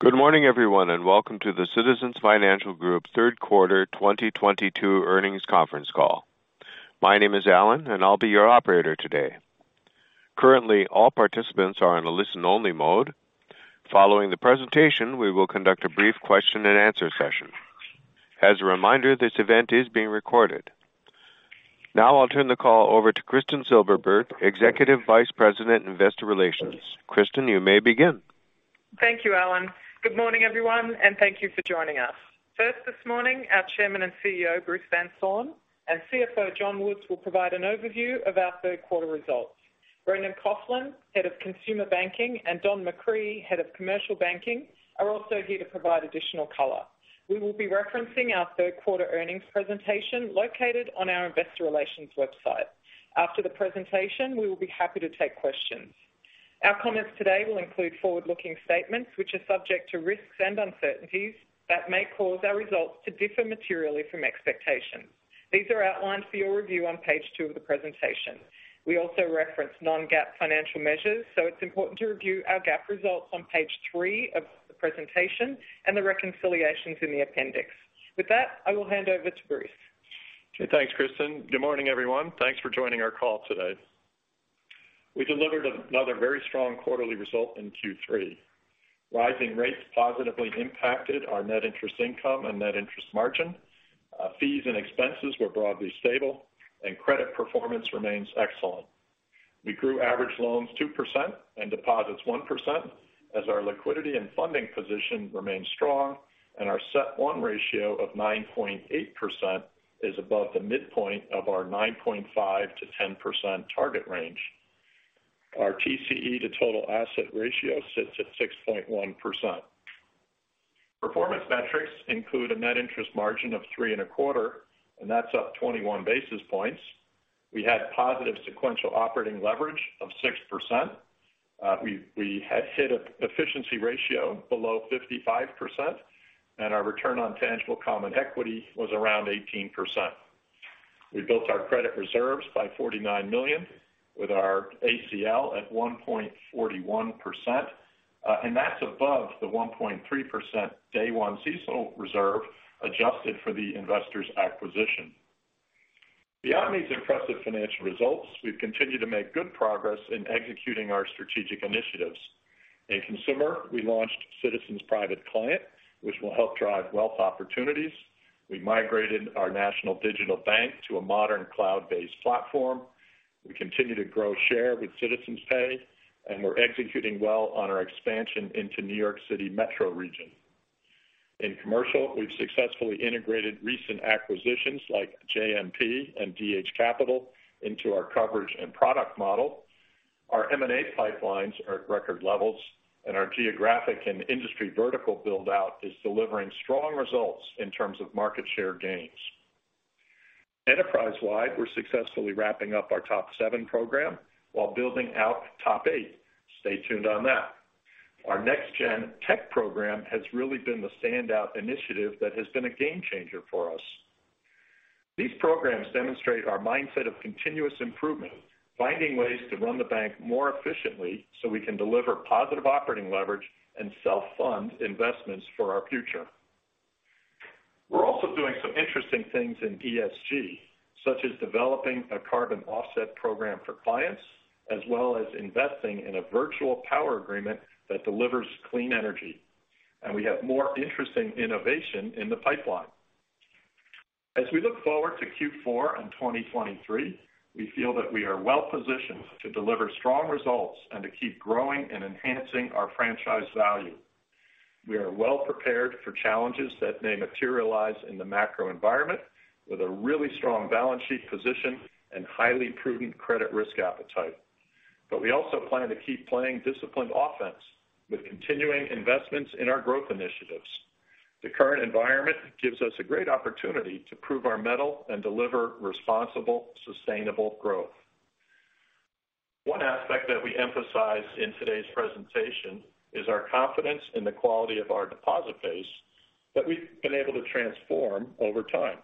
Good morning, everyone, and welcome to the Citizens Financial Group third quarter 2022 earnings conference call. My name is Alan, and I'll be your operator today. Currently, all participants are in a listen-only mode. Following the presentation, we will conduct a brief question and answer session. As a reminder, this event is being recorded. Now I'll turn the call over to Kristin Silberberg, Executive Vice President, Investor Relations. Kristin, you may begin. Thank you, Alan. Good morning, everyone, and thank you for joining us. First this morning, our Chairman and CEO, Bruce Van Saun, and CFO, John Woods, will provide an overview of our third quarter results. Brendan Coughlin, Head of Consumer Banking, and Don McCree, Head of Commercial Banking, are also here to provide additional color. We will be referencing our third quarter earnings presentation located on our investor relations website. After the presentation, we will be happy to take questions. Our comments today will include forward-looking statements which are subject to risks and uncertainties that may cause our results to differ materially from expectations. These are outlined for your review on page two of the presentation. We also reference non-GAAP financial measures, so it's important to review our GAAP results on page three of the presentation and the reconciliations in the appendix. With that, I will hand over to Bruce. Okay, thanks, Kristin. Good morning, everyone. Thanks for joining our call today. We delivered another very strong quarterly result in Q3. Rising rates positively impacted our net interest income and net interest margin. Fees and expenses were broadly stable and credit performance remains excellent. We grew average loans 2% and deposits 1% as our liquidity and funding position remains strong and our CET1 ratio of 9.8% is above the midpoint of our 9.5%-10% target range. Our TCE-to-total asset ratio sits at 6.1%. Performance metrics include a net interest margin of 3.25%, and that's up 21 basis points. We had positive sequential operating leverage of 6%. We had hit an efficiency ratio below 55% and our return on tangible common equity was around 18%. We built our credit reserves by $49 million with our ACL at 1.41%, and that's above the 1.3% day one CECL reserve adjusted for the Investors acquisition. Beyond these impressive financial results, we've continued to make good progress in executing our strategic initiatives. In consumer, we launched Citizens Private Client, which will help drive wealth opportunities. We migrated our national digital bank to a modern cloud-based platform. We continue to grow share with Citizens Pay, and we're executing well on our expansion into New York City metro region. In commercial, we've successfully integrated recent acquisitions like JMP and DH Capital into our coverage and product model. Our M&A pipelines are at record levels and our geographic and industry vertical build-out is delivering strong results in terms of market share gains. Enterprise-wide, we're successfully wrapping up our TOP VII program while building out TOP VIII. Stay tuned on that. Our Next Gen Tech program has really been the standout initiative that has been a game changer for us. These programs demonstrate our mindset of continuous improvement, finding ways to run the bank more efficiently so we can deliver positive operating leverage and self-fund investments for our future. We're also doing some interesting things in ESG, such as developing a carbon offset program for clients, as well as investing in a virtual power agreement that delivers clean energy. We have more interesting innovation in the pipeline. As we look forward to Q4 and 2023, we feel that we are well-positioned to deliver strong results and to keep growing and enhancing our franchise value. We are well prepared for challenges that may materialize in the macro environment with a really strong balance sheet position and highly prudent credit risk appetite. We also plan to keep playing disciplined offense with continuing investments in our growth initiatives. The current environment gives us a great opportunity to prove our mettle and deliver responsible, sustainable growth. One aspect that we emphasize in today's presentation is our confidence in the quality of our deposit base that we've been able to transform over time.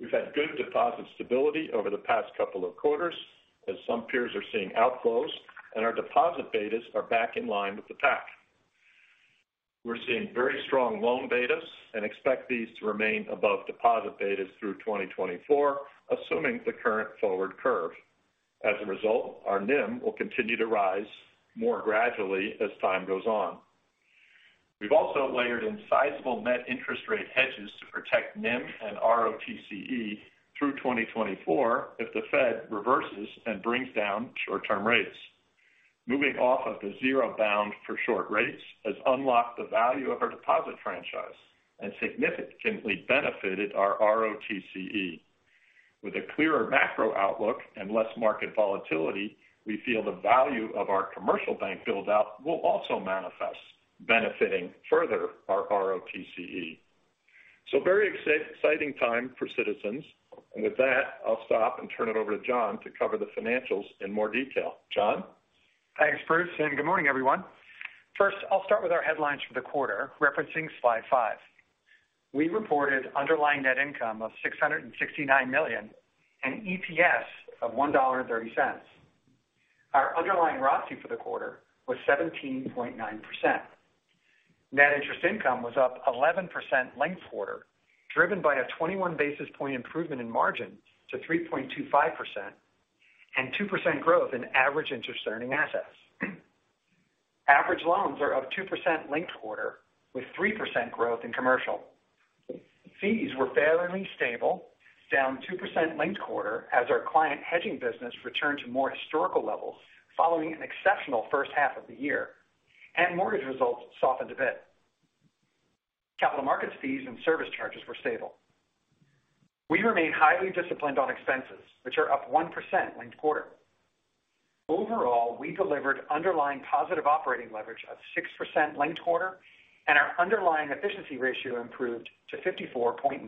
We've had good deposit stability over the past couple of quarters, as some peers are seeing outflows, and our deposit betas are back in line with the pack. We're seeing very strong loan betas and expect these to remain above deposit betas through 2024, assuming the current forward curve. As a result, our NIM will continue to rise more gradually as time goes on. We've also layered in sizable net interest rate hedges to protect NIM and ROTCE through 2024 if the Fed reverses and brings down short-term rates. Moving off of the zero bound for short rates has unlocked the value of our deposit franchise and significantly benefited our ROTCE. With a clearer macro outlook and less market volatility, we feel the value of our commercial bank build out will also manifest, benefiting further our ROTCE. Very exciting time for Citizens. With that, I'll stop and turn it over to John to cover the financials in more detail. John? Thanks, Bruce, and good morning, everyone. First, I'll start with our headlines for the quarter, referencing slide five. We reported underlying net income of $669 million and EPS of $1.30. Our underlying ROIC for the quarter was 17.9%. Net interest income was up 11% linked quarter, driven by a 21 basis points improvement in margin to 3.25% and 2% growth in average interest-earning assets. Average loans are up 2% linked quarter with 3% growth in commercial. Fees were fairly stable, down 2% linked quarter as our client hedging business returned to more historical levels following an exceptional first half of the year, and mortgage results softened a bit. Capital markets fees and service charges were stable. We remain highly disciplined on expenses, which are up 1% linked quarter. Overall, we delivered underlying positive operating leverage of 6% linked quarter and our underlying efficiency ratio improved to 54.9%.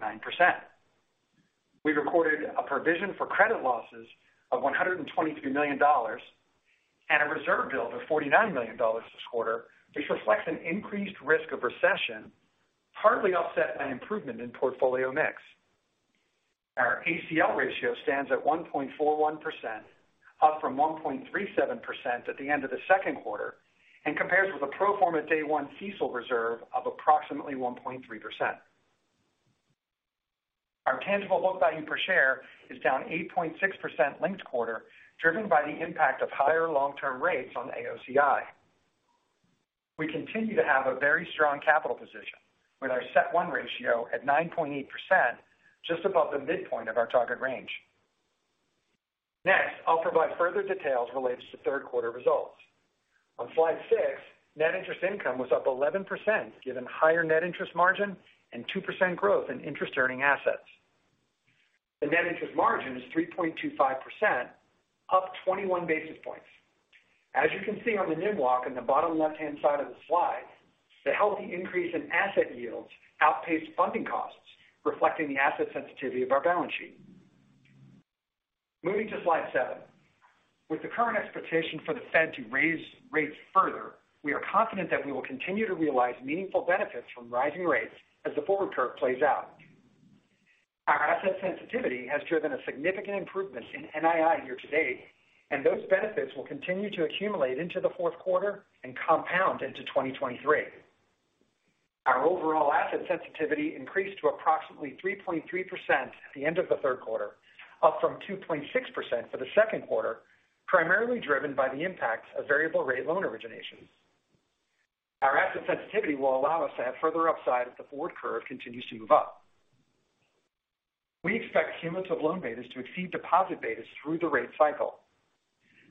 We recorded a provision for credit losses of $123 million and a reserve build of $49 million this quarter, which reflects an increased risk of recession, partly offset by improvement in portfolio mix. Our ACL ratio stands at 1.41%, up from 1.37% at the end of the second quarter, and compares with a pro forma day one CECL reserve of approximately 1.3%. Our tangible book value per share is down 8.6% linked quarter, driven by the impact of higher long-term rates on AOCI. We continue to have a very strong capital position with our CET1 ratio at 9.8% just above the midpoint of our target range. Next, I'll provide further details related to third quarter results. On slide six, net interest income was up 11% given higher net interest margin and 2% growth in interest earning assets. The net interest margin is 3.25%, up 21 basis points. As you can see on the NIM walk in the bottom left-hand side of the slide, the healthy increase in asset yields outpaced funding costs, reflecting the asset sensitivity of our balance sheet. Moving to slide seven. With the current expectation for the Fed to raise rates further, we are confident that we will continue to realize meaningful benefits from rising rates as the forward curve plays out. Our asset sensitivity has driven a significant improvement in NII year to date, and those benefits will continue to accumulate into the fourth quarter and compound into 2023. Our overall asset sensitivity increased to approximately 3.3% at the end of the third quarter, up from 2.6% for the second quarter, primarily driven by the impact of variable rate loan originations. Our asset sensitivity will allow us to have further upside if the forward curve continues to move up. We expect cumulative loan betas to exceed deposit betas through the rate cycle.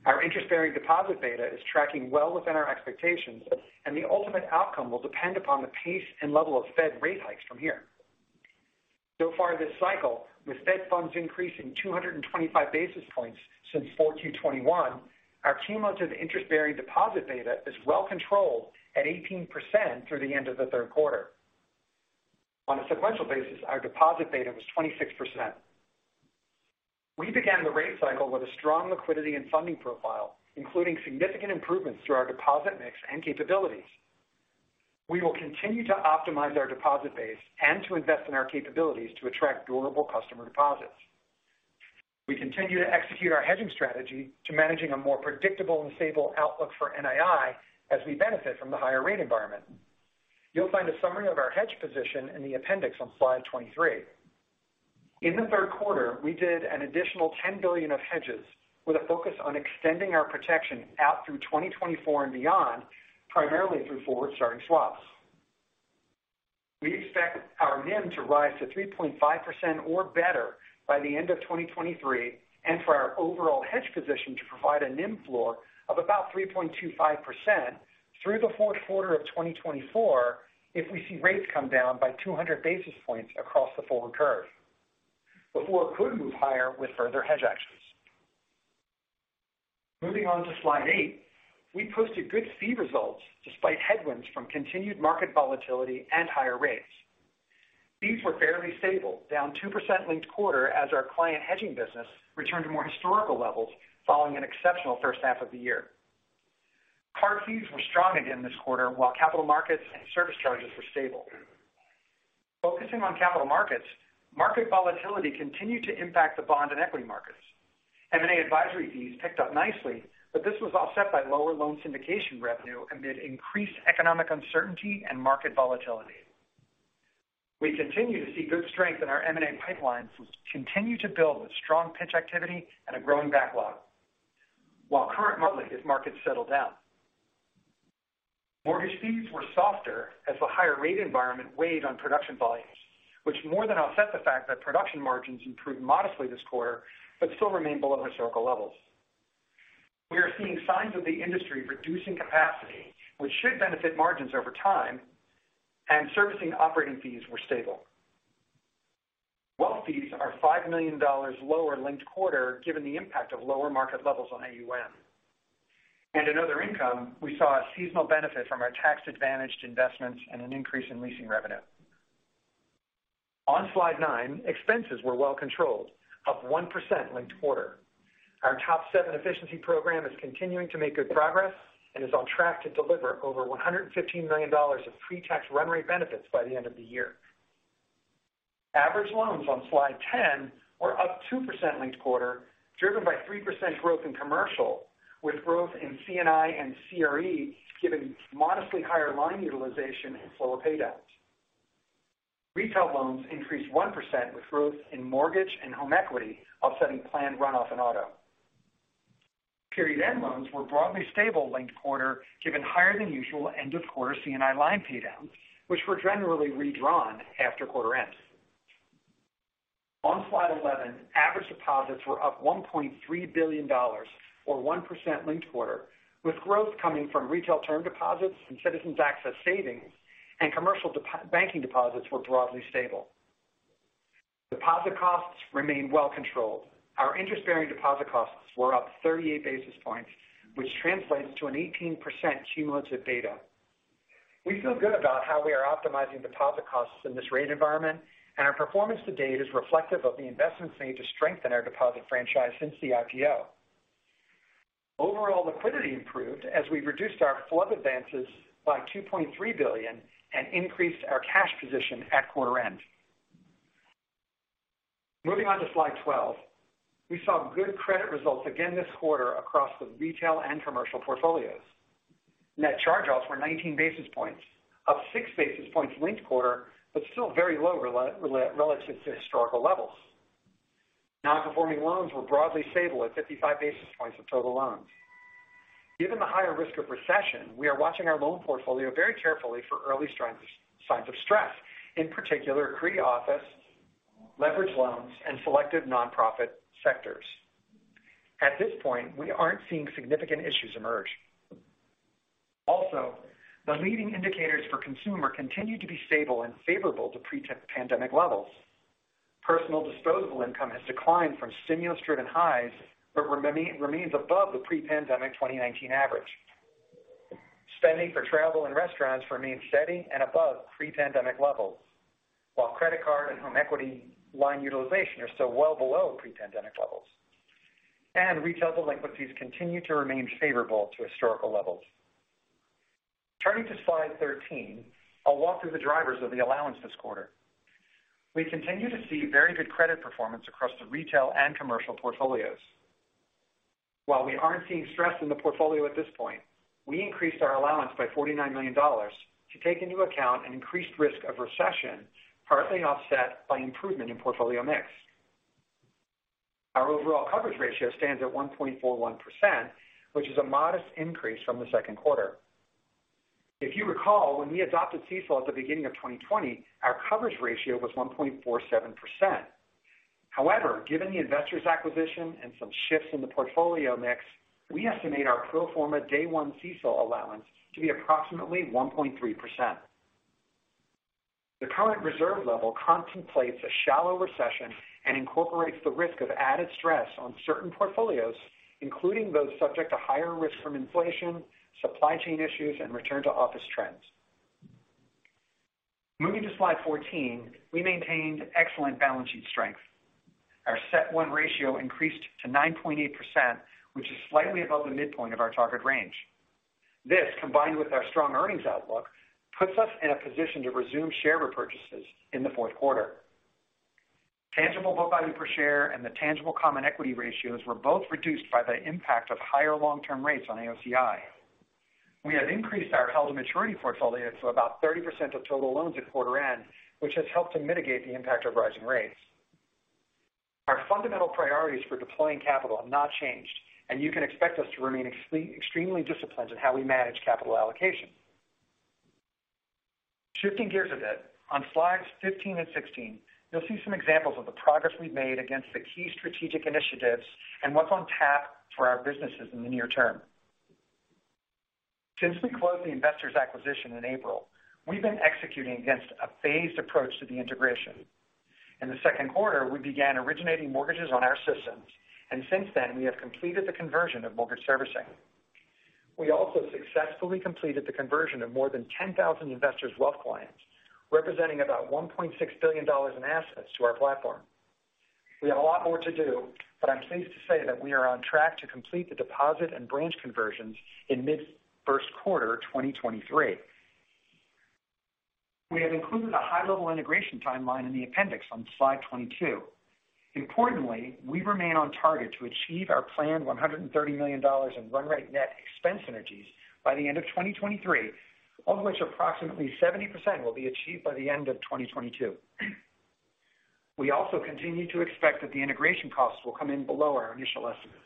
Our interest-bearing deposit beta is tracking well within our expectations, and the ultimate outcome will depend upon the pace and level of Fed rate hikes from here. So far this cycle, with Fed funds increasing 225 basis points since 4Q2021, our cumulative interest-bearing deposit beta is well controlled at 18% through the end of the third quarter. On a sequential basis, our deposit beta was 26%. We began the rate cycle with a strong liquidity and funding profile, including significant improvements through our deposit mix and capabilities. We will continue to optimize our deposit base and to invest in our capabilities to attract durable customer deposits. We continue to execute our hedging strategy to manage a more predictable and stable outlook for NII as we benefit from the higher rate environment. You'll find a summary of our hedge position in the appendix on slide 23. In the third quarter, we did an additional $10 billion of hedges with a focus on extending our protection out through 2024 and beyond, primarily through forward starting swaps. We expect our NIM to rise to 3.5% or better by the end of 2023, and for our overall hedge position to provide a NIM floor of about 3.25% through the fourth quarter of 2024 if we see rates come down by 200 basis points across the forward curve. The floor could move higher with further hedge actions. Moving on to slide eight. We posted good fee results despite headwinds from continued market volatility and higher rates. Fees were fairly stable, down 2% linked quarter as our client hedging business returned to more historical levels following an exceptional first half of the year. Card fees were strong again this quarter while capital markets and service charges were stable. Focusing on capital markets, market volatility continued to impact the bond and equity markets. M&A advisory fees picked up nicely, but this was offset by lower loan syndication revenue amid increased economic uncertainty and market volatility. We continue to see good strength in our M&A pipelines, which continue to build with strong pitch activity and a growing backlog while current markets settle down. Mortgage fees were softer as the higher rate environment weighed on production volumes, which more than offset the fact that production margins improved modestly this quarter but still remain below historical levels. We are seeing signs of the industry reducing capacity, which should benefit margins over time, and servicing operating fees were stable. Wealth fees are $5 million lower linked quarter, given the impact of lower market levels on AUM. In other income, we saw a seasonal benefit from our tax-advantaged investments and an increase in leasing revenue. On slide nine, expenses were well controlled, up 1% linked quarter. Our TOP VII efficiency program is continuing to make good progress and is on track to deliver over $115 million of pre-tax run rate benefits by the end of the year. Average loans on slide 10 were up 2% linked quarter, driven by 3% growth in commercial, with growth in C&I and CRE given modestly higher line utilization and slower paydowns. Retail loans increased 1% with growth in mortgage and home equity, offsetting planned runoff and auto. Period end loans were broadly stable linked quarter, given higher than usual end of quarter C&I line paydown, which were generally redrawn after quarter end. On slide 11, average deposits were up $1.3 billion or 1% linked quarter, with growth coming from retail term deposits and Citizens Access Savings and commercial banking deposits were broadly stable. Deposit costs remain well controlled. Our interest-bearing deposit costs were up 38 basis points, which translates to an 18% cumulative beta. We feel good about how we are optimizing deposit costs in this rate environment, and our performance to date is reflective of the investments made to strengthen our deposit franchise since the IPO. Overall liquidity improved as we reduced our FHLB advances by $2.3 billion and increased our cash position at quarter end. Moving on to slide 12. We saw good credit results again this quarter across the retail and commercial portfolios. Net charge-offs were 19 basis points, up 6 basis points linked quarter, but still very low relative to historical levels. Non-performing loans were broadly stable at 55 basis points of total loans. Given the higher risk of recession, we are watching our loan portfolio very carefully for early signs of stress, in particular, CRE office, leveraged loans, and selected nonprofit sectors. At this point, we aren't seeing significant issues emerge. Also, the leading indicators for consumer continue to be stable and favorable to pre-pandemic levels. Personal disposable income has declined from stimulus-driven highs but remains above the pre-pandemic 2019 average. Spending for travel and restaurants remains steady and above pre-pandemic levels, while credit card and home equity line utilization are still well below pre-pandemic levels. Retail delinquencies continue to remain favorable to historical levels. Turning to slide 13, I'll walk through the drivers of the allowance this quarter. We continue to see very good credit performance across the retail and commercial portfolios. While we aren't seeing stress in the portfolio at this point, we increased our allowance by $49 million to take into account an increased risk of recession, partly offset by improvement in portfolio mix. Our overall coverage ratio stands at 1.41%, which is a modest increase from the second quarter. If you recall, when we adopted CECL at the beginning of 2020, our coverage ratio was 1.47%. However, given the Investors acquisition and some shifts in the portfolio mix, we estimate our pro forma day one CECL allowance to be approximately 1.3%. The current reserve level contemplates a shallow recession and incorporates the risk of added stress on certain portfolios, including those subject to higher risk from inflation, supply chain issues, and return to office trends. Moving to slide 14, we maintained excellent balance sheet strength. Our CET1 ratio increased to 9.8%, which is slightly above the midpoint of our target range. This, combined with our strong earnings outlook, puts us in a position to resume share repurchases in the fourth quarter. Tangible book value per share and the tangible common equity ratios were both reduced by the impact of higher long-term rates on AOCI. We have increased our held to maturity portfolio to about 30% of total loans at quarter end, which has helped to mitigate the impact of rising rates. Our fundamental priorities for deploying capital have not changed, and you can expect us to remain extremely disciplined in how we manage capital allocation. Shifting gears a bit, on slides 15 and 16, you'll see some examples of the progress we've made against the key strategic initiatives and what's on tap for our businesses in the near term. Since we closed the Investors acquisition in April, we've been executing against a phased approach to the integration. In the second quarter, we began originating mortgages on our systems, and since then, we have completed the conversion of mortgage servicing. We also successfully completed the conversion of more than 10,000 Investors wealth clients, representing about $1.6 billion in assets to our platform. We have a lot more to do, but I'm pleased to say that we are on track to complete the deposit and branch conversions in mid-first quarter 2023. We have included a high-level integration timeline in the appendix on slide 22. Importantly, we remain on target to achieve our planned $130 million in run rate net expense synergies by the end of 2023, all of which approximately 70% will be achieved by the end of 2022. We also continue to expect that the integration costs will come in below our initial estimates.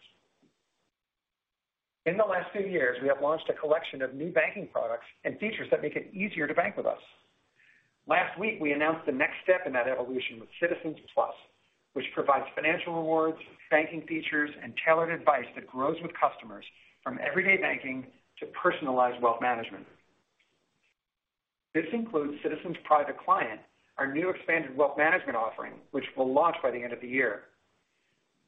In the last few years, we have launched a collection of new banking products and features that make it easier to bank with us. Last week, we announced the next step in that evolution with CitizensPlus, which provides financial rewards, banking features, and tailored advice that grows with customers from everyday banking to personalized wealth management. This includes Citizens Private Client, our new expanded wealth management offering, which will launch by the end of the year.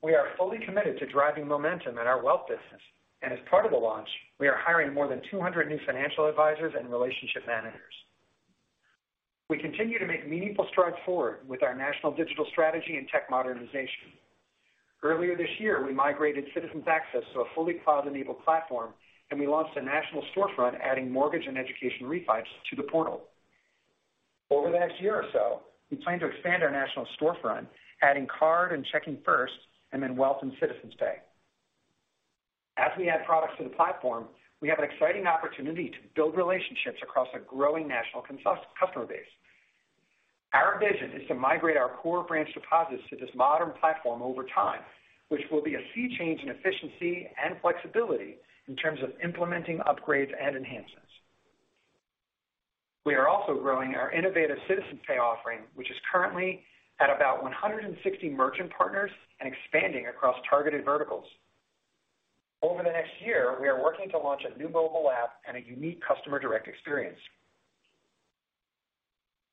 We are fully committed to driving momentum in our wealth business, and as part of the launch, we are hiring more than 200 new financial advisors and relationship managers. We continue to make meaningful strides forward with our national digital strategy and tech modernization. Earlier this year, we migrated Citizens Access to a fully cloud-enabled platform, and we launched a national storefront adding mortgage and education refis to the portal. Over the next year or so, we plan to expand our national storefront, adding card and checking first, and then wealth and Citizens Pay. As we add products to the platform, we have an exciting opportunity to build relationships across a growing national customer base. Our vision is to migrate our core branch deposits to this modern platform over time, which will be a sea change in efficiency and flexibility in terms of implementing upgrades and enhancements. We are also growing our innovative Citizens Pay offering, which is currently at about 160 merchant partners and expanding across targeted verticals. Over the next year, we are working to launch a new mobile app and a unique customer direct experience.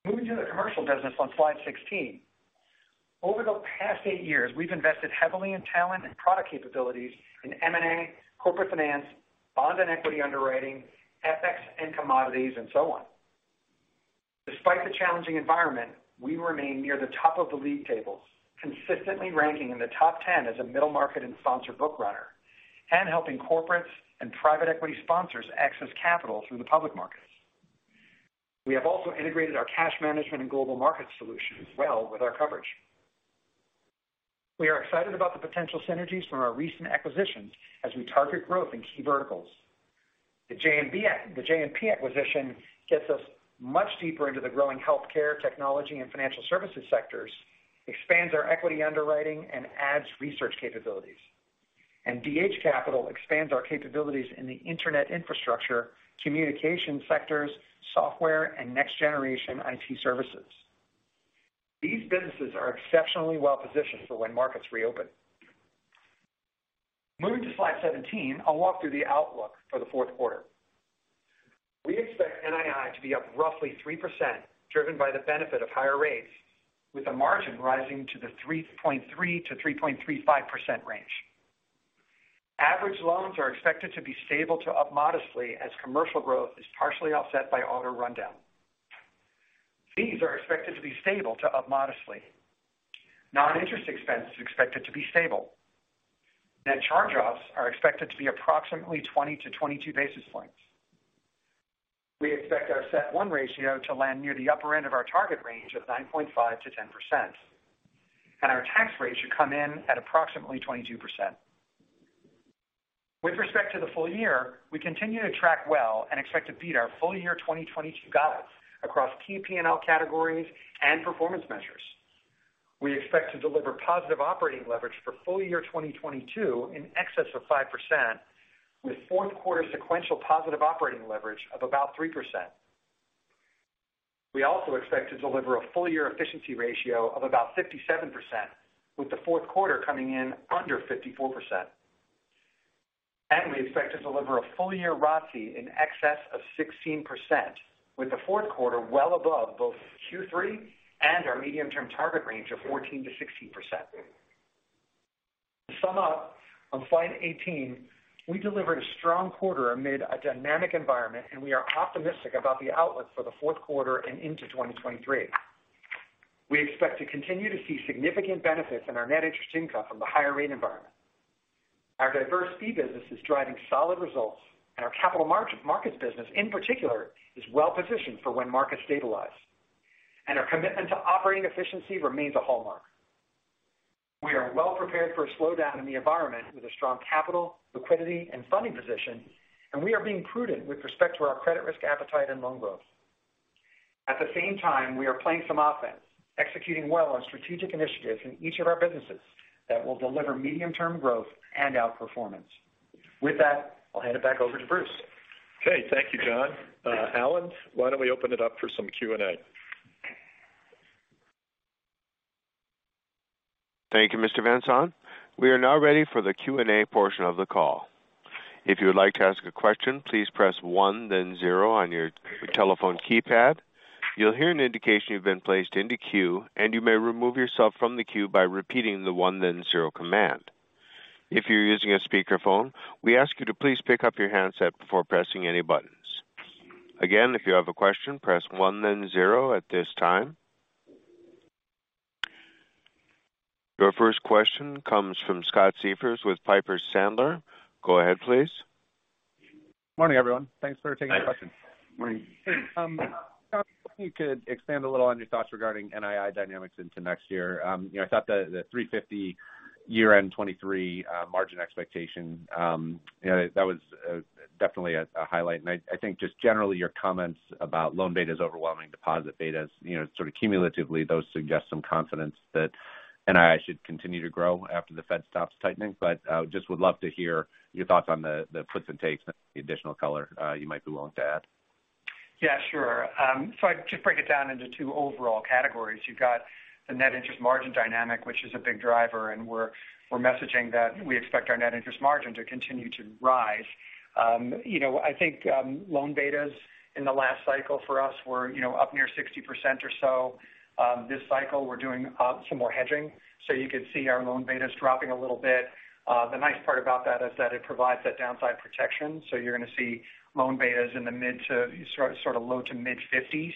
Moving to the commercial business on slide 16. Over the past eight years, we've invested heavily in talent and product capabilities in M&A, corporate finance, bond and equity underwriting, FX and commodities, and so on. Despite the challenging environment, we remain near the top of the league tables, consistently ranking in the top 10 as a middle market and sponsor book runner and helping corporates and private equity sponsors access capital through the public markets. We have also integrated our cash management and global market solution as well with our coverage. We are excited about the potential synergies from our recent acquisitions as we target growth in key verticals. The JMP acquisition gets us much deeper into the growing healthcare technology and financial services sectors, expands our equity underwriting, and adds research capabilities. DH Capital expands our capabilities in the internet infrastructure, communication sectors, software, and next-generation IT services. These businesses are exceptionally well positioned for when markets reopen. Moving to slide 17, I'll walk through the outlook for the fourth quarter. We expect NII to be up roughly 3% driven by the benefit of higher rates with a margin rising to the 3.3%-3.35% range. Average loans are expected to be stable to up modestly as commercial growth is partially offset by auto rundown. Fees are expected to be stable to up modestly. Non-interest expense is expected to be stable. Net charge-offs are expected to be approximately 20-22 basis points. We expect our CET1 ratio to land near the upper end of our target range of 9.5%-10%. Our tax rate should come in at approximately 22%. With respect to the full year, we continue to track well and expect to beat our full year 2022 guides across key P&L categories and performance measures. We expect to deliver positive operating leverage for full year 2022 in excess of 5% with fourth quarter sequential positive operating leverage of about 3%. We also expect to deliver a full-year efficiency ratio of about 57%, with the fourth quarter coming in under 54%. We expect to deliver a full-year ROTCE in excess of 16%, with the fourth quarter well above both Q3 and our medium-term target range of 14%-16%. To sum up, on slide 18, we delivered a strong quarter amid a dynamic environment, and we are optimistic about the outlook for the fourth quarter and into 2023. We expect to continue to see significant benefits in our net interest income from the higher rate environment. Our diverse fee business is driving solid results, and our capital markets business, in particular, is well positioned for when markets stabilize. Our commitment to operating efficiency remains a hallmark. We are well prepared for a slowdown in the environment with a strong capital, liquidity, and funding position, and we are being prudent with respect to our credit risk appetite and loan growth. At the same time, we are playing some offense, executing well on strategic initiatives in each of our businesses that will deliver medium-term growth and outperformance. With that, I'll hand it back over to Bruce. Okay. Thank you, John. Alan, why don't we open it up for some Q&A? Thank you, Mr. Van Saun. We are now ready for the Q&A portion of the call. If you would like to ask a question, please press one, then zero on your telephone keypad. You'll hear an indication you've been placed into queue, and you may remove yourself from the queue by repeating the one then zero command. If you're using a speakerphone, we ask you to please pick up your handset before pressing any buttons. Again, if you have a question, press one, then zero at this time. Your first question comes from Scott Siefers with Piper Sandler. Go ahead, please. Morning, everyone. Thanks for taking my question. Morning. John, if you could expand a little on your thoughts regarding NII dynamics into next year? You know, I thought the 3.50% year-end 2023 margin expectation, you know, that was definitely a highlight. I think just generally your comments about loan betas overwhelming deposit betas, you know, sort of cumulatively, those suggest some confidence that NII should continue to grow after the Fed stops tightening. Just would love to hear your thoughts on the puts and takes and the additional color you might be willing to add? Yeah, sure. So I just break it down into two overall categories. You've got the net interest margin dynamic, which is a big driver, and we're messaging that we expect our net interest margin to continue to rise. You know, I think loan betas in the last cycle for us were, you know, up near 60% or so. This cycle, we're doing some more hedging, so you could see our loan betas dropping a little bit. The nice part about that is that it provides that downside protection. So you're going to see loan betas in the sort of low to mid-50s.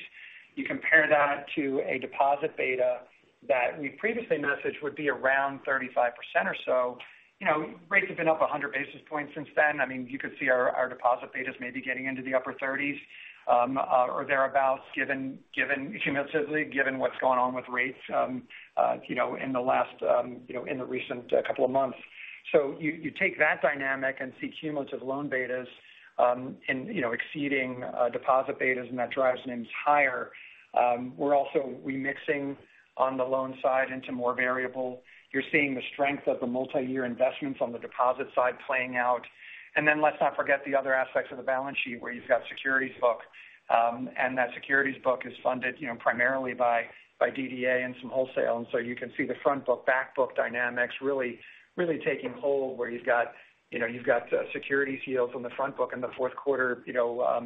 You compare that to a deposit beta that we previously messaged would be around 35% or so. You know, rates have been up 100 basis points since then. I mean, you could see our deposit betas maybe getting into the upper 30s or thereabouts, given cumulatively what's going on with rates, you know, in the recent couple of months. You take that dynamic and see cumulative loan betas exceeding deposit betas, and that drives NIMs higher. We're also remixing on the loan side into more variable. You're seeing the strength of the multiyear investments on the deposit side playing out. Let's not forget the other aspects of the balance sheet where you've got securities book. That securities book is funded, you know, primarily by DDA and some wholesale. You can see the front book, back book dynamics really taking hold where you've got, you know, securities yields on the front book in the fourth quarter, you know,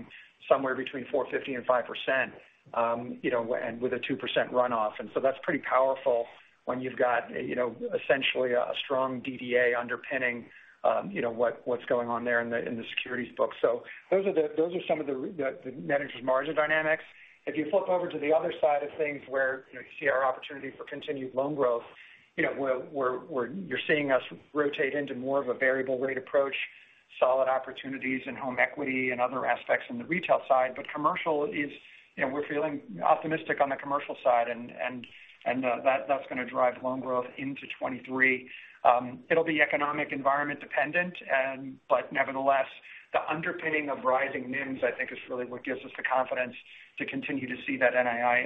somewhere between 4.50% and 5%, you know, and with a 2% runoff. That's pretty powerful when you've got, you know, essentially a strong DDA underpinning, you know, what's going on there in the securities book. Those are some of the net interest margin dynamics. If you flip over to the other side of things where, you know, you see our opportunity for continued loan growth, you know, where you're seeing us rotate into more of a variable rate approach, solid opportunities in home equity and other aspects in the retail side. Commercial is, you know, we're feeling optimistic on the commercial side and that's gonna drive loan growth into 2023. It'll be economic environment dependent, but nevertheless, the underpinning of rising NIMs, I think is really what gives us the confidence to continue to see that NII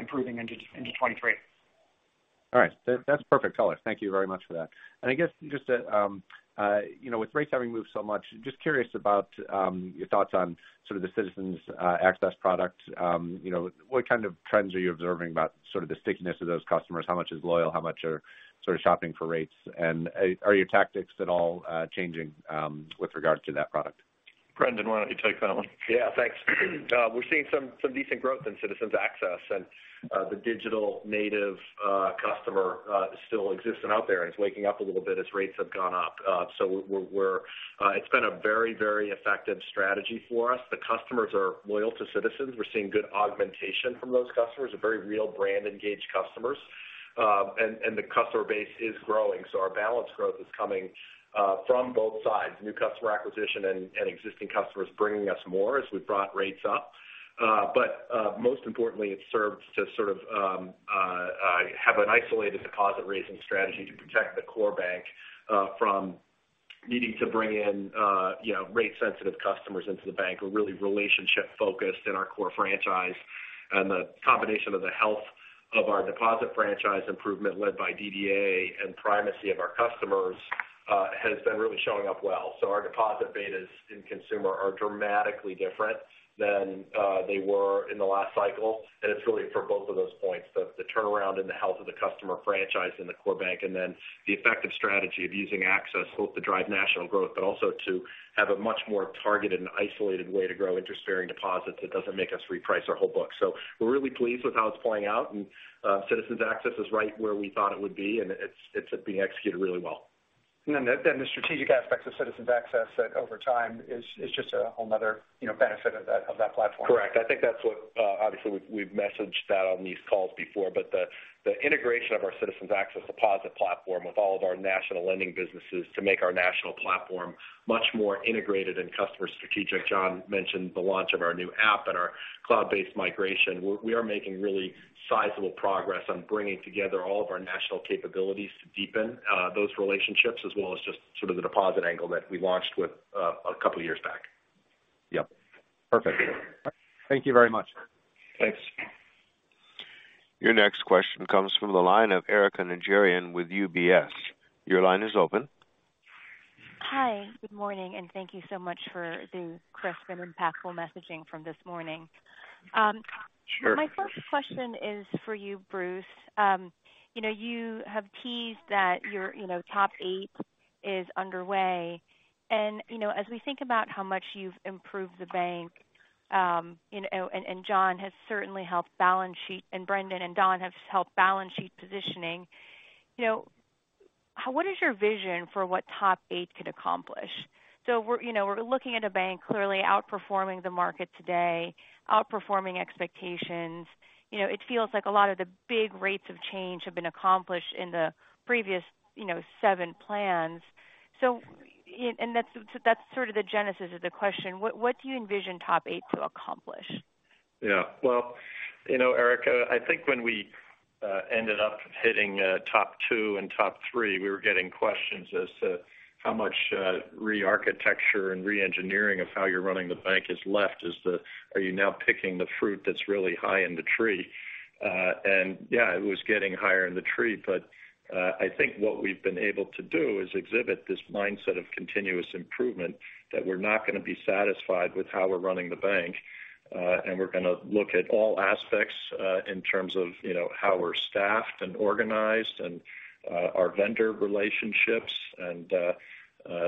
improving into 2023. All right. That's perfect color. Thank you very much for that. I guess just, you know, with rates having moved so much, just curious about your thoughts on sort of the Citizens Access product. You know, what kind of trends are you observing about sort of the stickiness of those customers? How much is loyal? How much are sort of shopping for rates? And are your tactics at all changing with regards to that product? Brendan, why don't you take that one? Yeah, thanks. We're seeing some decent growth in Citizens Access. The digital native customer still existing out there and is waking up a little bit as rates have gone up. It's been a very effective strategy for us. The customers are loyal to Citizens. We're seeing good augmentation from those customers, a very real brand-engaged customers. The customer base is growing. Our balance growth is coming from both sides, new customer acquisition and existing customers bringing us more as we've brought rates up. Most importantly, it serves to sort of have an isolated deposit-raising strategy to protect the core bank from needing to bring in, you know, rate-sensitive customers into the bank. We're really relationship-focused in our core franchise. The combination of the health of our deposit franchise improvement led by DDA and primacy of our customers has been really showing up well. Our deposit betas in consumer are dramatically different than they were in the last cycle. It's really for both of those points, the turnaround in the health of the customer franchise in the core bank, and then the effective strategy of using Access both to drive national growth, but also to have a much more targeted and isolated way to grow interest-bearing deposits that doesn't make us reprice our whole book. We're really pleased with how it's playing out. Citizens Access is right where we thought it would be, and it's being executed really well. The strategic aspects of Citizens Access that over time is just a whole nother, you know, benefit of that platform. Correct. I think that's what obviously we've messaged that on these calls before, but the integration of our Citizens Access deposit platform with all of our national lending businesses to make our national platform much more integrated and customer strategic. John mentioned the launch of our new app and our cloud-based migration. We are making really sizable progress on bringing together all of our national capabilities to deepen those relationships as well as just sort of the deposit angle that we launched with a couple of years back. Yep. Perfect. Thank you very much. Thanks. Your next question comes from the line of Erika Najarian with UBS. Your line is open. Hi. Good morning, and thank you so much for the crisp and impactful messaging from this morning. Sure. My first question is for you, Bruce. You know, you have teased that your Top Eight is underway. You know, as we think about how much you've improved the bank, you know, and John has certainly helped balance sheet, and Brendan and Don have helped balance sheet positioning. You know, what is your vision for what Top Eight could accomplish? You know, we're looking at a bank clearly outperforming the market today, outperforming expectations. You know, it feels like a lot of the big rates of change have been accomplished in the previous seven plans. That's sort of the genesis of the question. What do you envision Top Eight to accomplish? Yeah. Well, you know, Erika, I think when we ended up hitting Top Two and Top Three, we were getting questions as to how much rearchitecture and reengineering of how you're running the bank is left. Are you now picking the fruit that's really high in the tree? Yeah, it was getting higher in the tree. I think what we've been able to do is exhibit this mindset of continuous improvement that we're not gonna be satisfied with how we're running the bank. We're gonna look at all aspects in terms of, you know, how we're staffed and organized and our vendor relationships and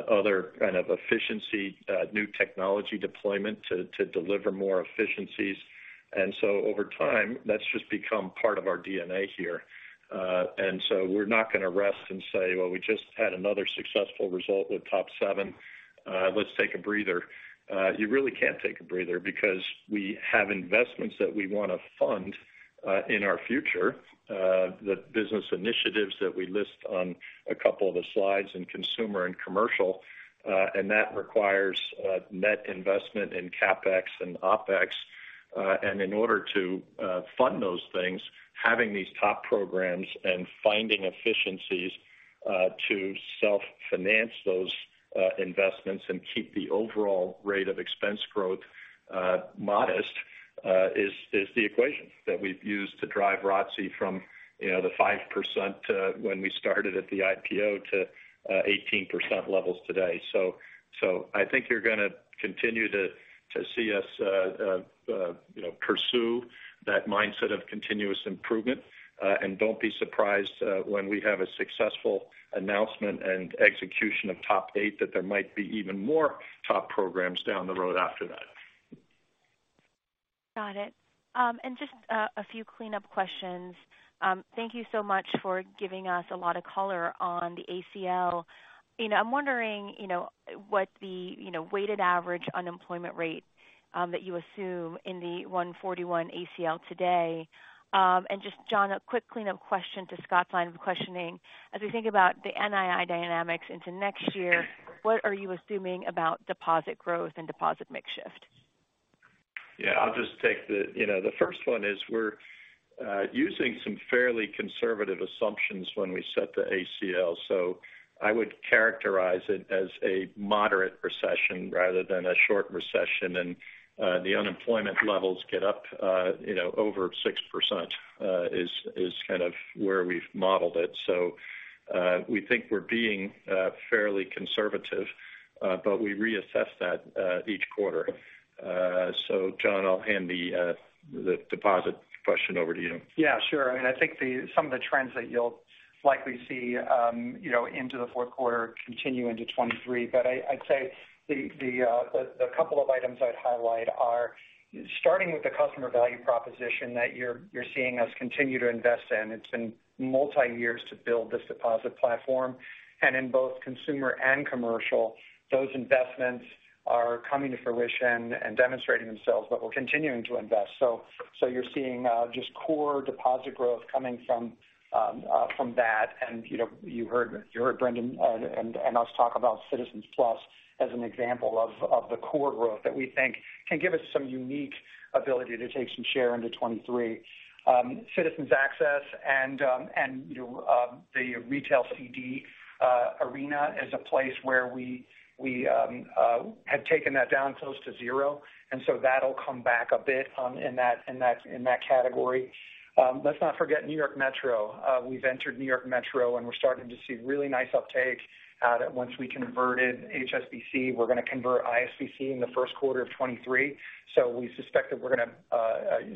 other kind of efficiency, new technology deployment to deliver more efficiencies. Over time, that's just become part of our DNA here. We're not gonna rest and say, "Well, we just had another successful result with TOP VII. Let's take a breather." You really can't take a breather because we have investments that we wanna fund in our future, the business initiatives that we list on a couple of the slides in consumer and commercial, and that requires net investment in CapEx and OpEx. In order to fund those things, having these top programs and finding efficiencies to self-finance those investments and keep the overall rate of expense growth modest is the equation that we've used to drive ROTCE from, you know, the 5% when we started at the IPO to 18% levels today. I think you're gonna continue to see us, you know, pursue that mindset of continuous improvement. Don't be surprised when we have a successful announcement and execution of TOP VIII that there might be even more top programs down the road after that. Got it. Just a few cleanup questions. Thank you so much for giving us a lot of color on the ACL. You know, I'm wondering, you know, what the, you know, weighted average unemployment rate that you assume in the 141 ACL today. Just John, a quick cleanup question to Scott's line of questioning. As we think about the NII dynamics into next year, what are you assuming about deposit growth and deposit mix shift? Yeah, I'll just take the first one is we're using some fairly conservative assumptions when we set the ACL. I would characterize it as a moderate recession rather than a short recession. The unemployment levels get up you know over 6% is kind of where we've modeled it. We think we're being fairly conservative, but we reassess that each quarter. John, I'll hand the deposit question over to you. Yeah, sure. I mean, I think some of the trends that you'll likely see, you know, into the fourth quarter continue into 2023. I'd say the couple of items I'd highlight are starting with the customer value proposition that you're seeing us continue to invest in. It's been multi-years to build this deposit platform. In both consumer and commercial, those investments are coming to fruition and demonstrating themselves. We're continuing to invest, so you're seeing just core deposit growth coming from that. You know, you heard Brendan and us talk about CitizensPlus as an example of the core growth that we think can give us some unique ability to take some share into 2023. Citizens Access and you know the retail CD arena is a place where we had taken that down close to zero, and so that'll come back a bit in that category. Let's not forget New York Metro. We've entered New York Metro, and we're starting to see really nice uptake that once we converted HSBC, we're gonna convert ISBC in the first quarter of 2023. So we suspect that we're gonna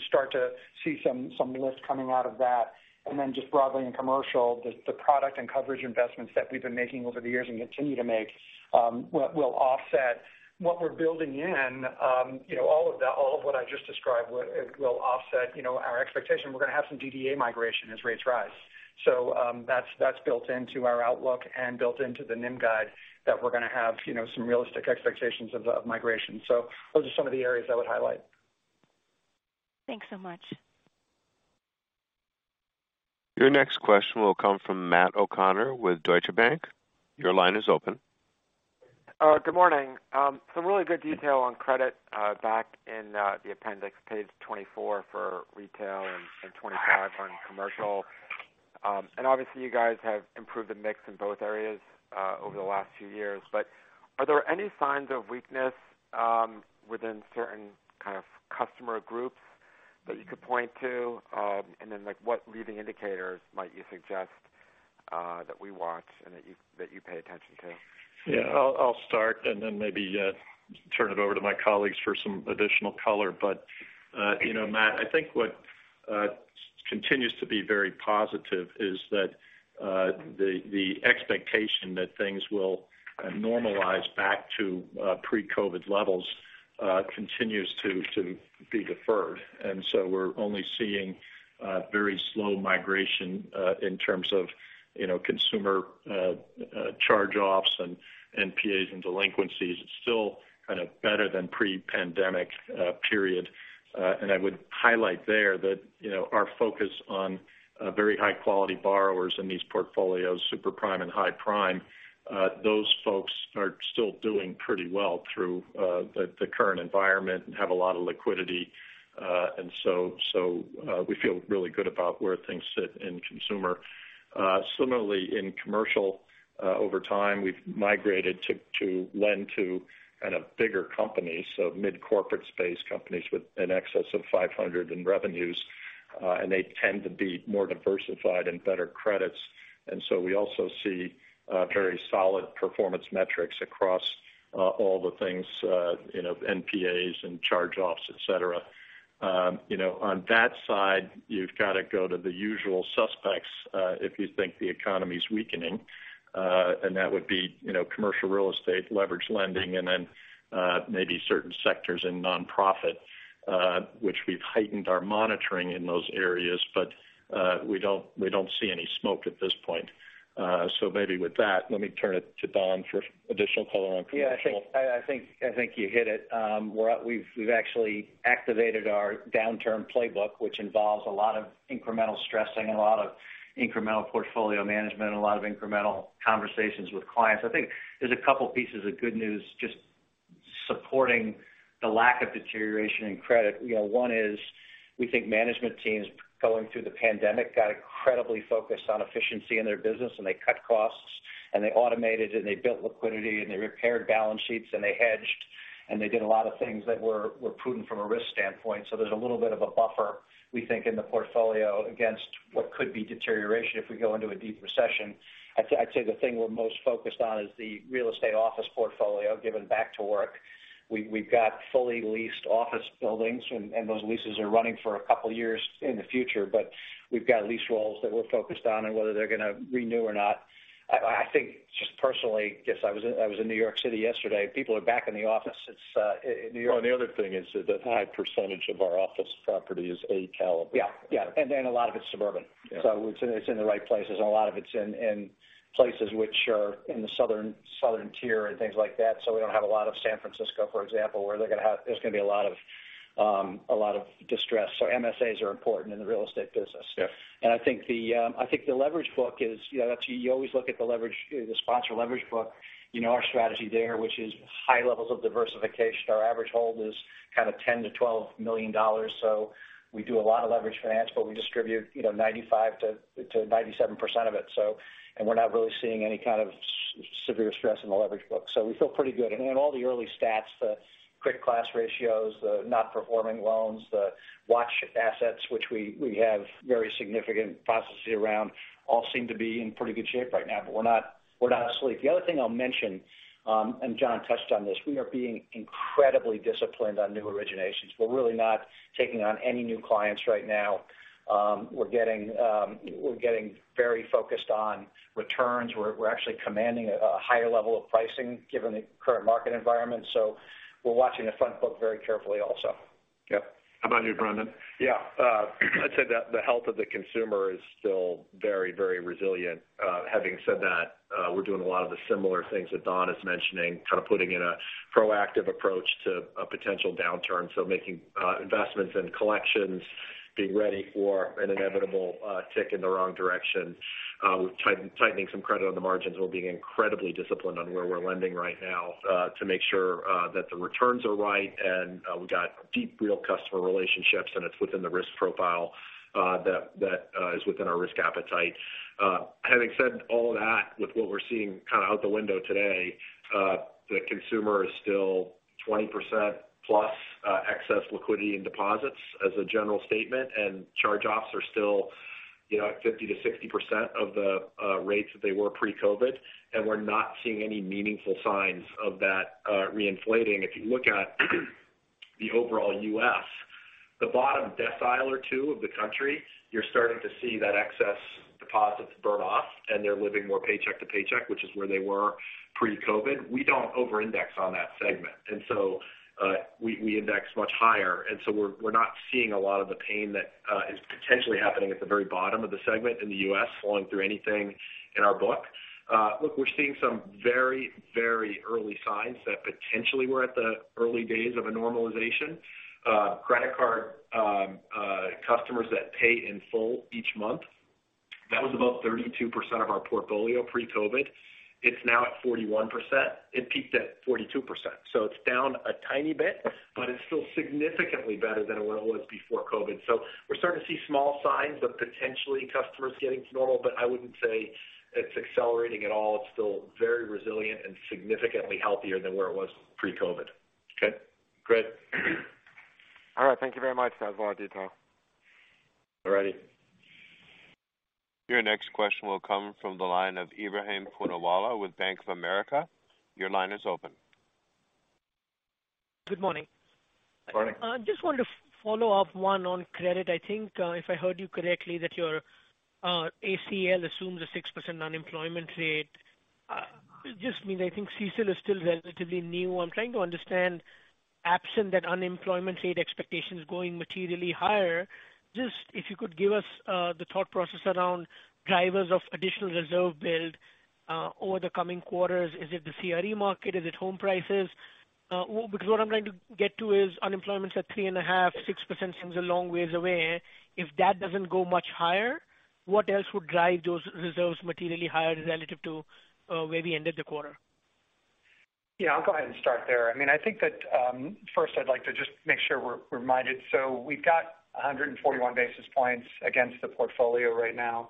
start to see some lift coming out of that. Then just broadly in commercial, the product and coverage investments that we've been making over the years and continue to make will offset what we're building in. You know, all of that, all of what I just described will offset you know our expectation. We're gonna have some DDA migration as rates rise. That's built into our outlook and built into the NIM guide that we're gonna have, you know, some realistic expectations of migration. Those are some of the areas I would highlight. Thanks so much. Your next question will come from Matt O'Connor with Deutsche Bank. Your line is open. Good morning. Some really good detail on credit back in the appendix, page 24 for retail and 25 on commercial. Obviously you guys have improved the mix in both areas over the last few years. Are there any signs of weakness within certain kind of customer groups that you could point to? Like what leading indicators might you suggest that we watch and that you pay attention to? Yeah. I'll start and then maybe turn it over to my colleagues for some additional color. You know, Matt, I think what continues to be very positive is that the expectation that things will normalize back to pre-COVID levels continues to be deferred. We're only seeing very slow migration in terms of, you know, consumer charge-offs and NPAs and delinquencies. It's still kind of better than pre-pandemic period. I would highlight there that, you know, our focus on very high-quality borrowers in these portfolios, super prime and high prime, those folks are still doing pretty well through the current environment and have a lot of liquidity. We feel really good about where things sit in consumer. Similarly in commercial, over time, we've migrated to lend to kind of bigger companies, so mid corporate space companies with in excess of $500 million in revenues. They tend to be more diversified and better credits. We also see very solid performance metrics across all the things you know, NPAs and charge-offs, et cetera. You know, on that side, you've got to go to the usual suspects if you think the economy is weakening, and that would be, you know, commercial real estate, leverage lending, and then maybe certain sectors in nonprofit, which we've heightened our monitoring in those areas. We don't see any smoke at this point. Maybe with that, let me turn it to Don for additional color on commercial. Yeah, I think you hit it. We've actually activated our downturn playbook, which involves a lot of incremental stressing and a lot of incremental portfolio management and a lot of incremental conversations with clients. I think there's a couple pieces of good news just supporting the lack of deterioration in credit. You know, one is we think management teams going through the pandemic got incredibly focused on efficiency in their business, and they cut costs and they automated and they built liquidity and they repaired balance sheets and they hedged and they did a lot of things that were prudent from a risk standpoint. There's a little bit of a buffer, we think, in the portfolio against what could be deterioration if we go into a deep recession. I'd say the thing we're most focused on is the real estate office portfolio given back to work. We've got fully leased office buildings and those leases are running for a couple years in the future, but we've got lease rolls that we're focused on and whether they're gonna renew or not. I think just personally, guess I was in New York City yesterday. People are back in the office. It's in New York- Well, the other thing is a high percentage of our office property is A caliber. Yeah. Yeah. A lot of it's suburban. Yeah. It's in the right places and a lot of it's in places which are in the southern tier and things like that. We don't have a lot of San Francisco, for example, where there's gonna be a lot of distress. MSAs are important in the real estate business. Yeah. I think the leverage book is, you know, that's, you always look at the leverage, the sponsor leverage book, you know, our strategy there, which is high levels of diversification. Our average hold is kind of $10 million-$12 million. We do a lot of leverage finance, but we distribute, you know, 95%-97% of it. We're not really seeing any kind of severe stress in the leverage book. We feel pretty good. In all the early stats, the credit loss ratios, the nonperforming loans, the watch assets, which we have very significant processes around, all seem to be in pretty good shape right now. We're not asleep. The other thing I'll mention, John touched on this, we are being incredibly disciplined on new originations. We're really not taking on any new clients right now. We're getting very focused on returns. We're actually commanding a higher level of pricing given the current market environment. We're watching the front book very carefully also. Yep. How about you, Brendan? Yeah. I'd say that the health of the consumer is still very, very resilient. Having said that, we're doing a lot of the similar things that Don is mentioning, kind of putting in a proactive approach to a potential downturn. Making investments in collections, being ready for an inevitable tick in the wrong direction. We're tightening some credit on the margins. We're being incredibly disciplined on where we're lending right now, to make sure that the returns are right and we've got deep real customer relationships and it's within the risk profile that is within our risk appetite. Having said all that, with what we're seeing kind of out the window today, the consumer is still 20% plus excess liquidity in deposits as a general statement, and charge-offs are still, you know, at 50%-60% of the rates that they were pre-COVID, and we're not seeing any meaningful signs of that reinflating. If you look at the overall U.S., the bottom decile or two of the country, you're starting to see that excess deposits burn off and they're living more paycheck to paycheck, which is where they were pre-COVID. We don't over-index on that segment. We index much higher, and so we're not seeing a lot of the pain that is potentially happening at the very bottom of the segment in the U.S. flowing through anything in our book. Look, we're seeing some very, very early signs that potentially we're at the early days of a normalization. Credit card customers that pay in full each month, that was about 32% of our portfolio pre-COVID. It's now at 41%. It peaked at 42%. It's down a tiny bit, but it's still significantly better than what it was before COVID. We're starting to see small signs of potentially customers getting to normal, but I wouldn't say it's accelerating at all. It's still very resilient and significantly healthier than where it was pre-COVID. Okay, great. All right. Thank you very much for that lot of detail. All righty. Your next question will come from the line of Ebrahim Poonawala with Bank of America. Your line is open. Good morning. Morning. I just wanted to follow up one on credit. I think, if I heard you correctly, that your ACL assumes a 6% unemployment rate. Just means I think CECL is still relatively new. I'm trying to understand, absent that unemployment rate expectations going materially higher, just if you could give us the thought process around drivers of additional reserve build over the coming quarters. Is it the CRE market? Is it home prices? Because what I'm trying to get to is unemployment's at 3.5%, 6% seems a long ways away. If that doesn't go much higher, what else would drive those reserves materially higher relative to where we ended the quarter? Yeah, I'll go ahead and start there. I mean, I think that first I'd like to just make sure we're mindful. We've got 141 basis points against the portfolio right now.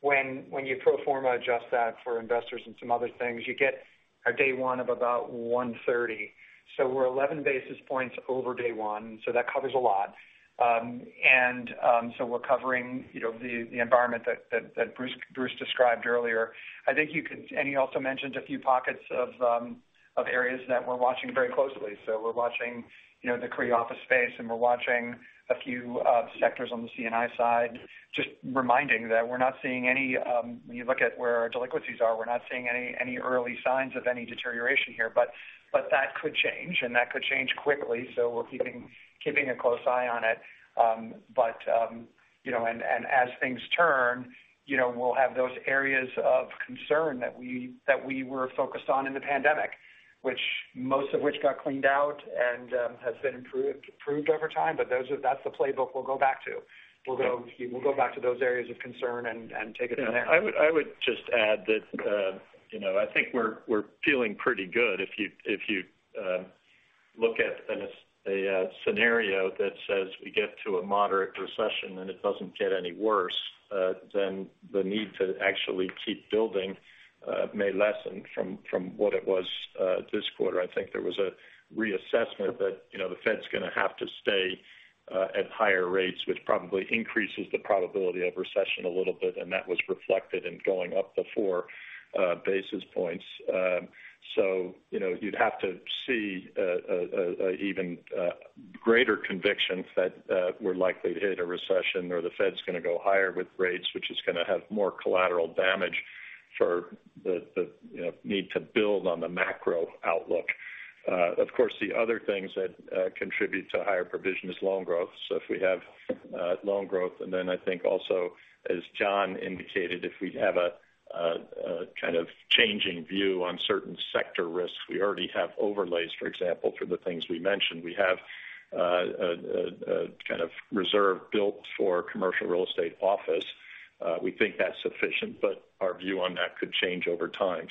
When you pro forma adjust that for Investors and some other things, you get a day one of about 130. We're 11 basis points over day one. That covers a lot. We're covering, you know, the environment that Bruce described earlier. He also mentioned a few pockets of areas that we're watching very closely. We're watching, you know, the CRE office space, and we're watching a few sectors on the C&I side. Just reminding that we're not seeing any, when you look at where our delinquencies are, we're not seeing any early signs of any deterioration here. That could change, and that could change quickly. We're keeping a close eye on it. You know, and as things turn, you know, we'll have those areas of concern that we were focused on in the pandemic, which most of which got cleaned out and has been improved over time. Those are. That's the playbook we'll go back to. We'll go back to those areas of concern and take it from there. Yeah. I would just add that, you know, I think we're feeling pretty good if you look at a scenario that says we get to a moderate recession and it doesn't get any worse, then the need to actually keep building may lessen from what it was this quarter. I think there was a reassessment that, you know, the Fed's gonna have to stay at higher rates, which probably increases the probability of recession a little bit, and that was reflected in going up 4 basis points. You know, you'd have to see even greater conviction that we're likely to hit a recession or the Fed's gonna go higher with rates, which is gonna have more collateral damage for the you know, need to build on the macro outlook. Of course, the other things that contribute to higher provision is loan growth. If we have loan growth, and then I think also, as John indicated, if we have a kind of changing view on certain sector risks. We already have overlays, for example, for the things we mentioned. We have a kind of reserve built for commercial real estate office. We think that's sufficient, but our view on that could change over time.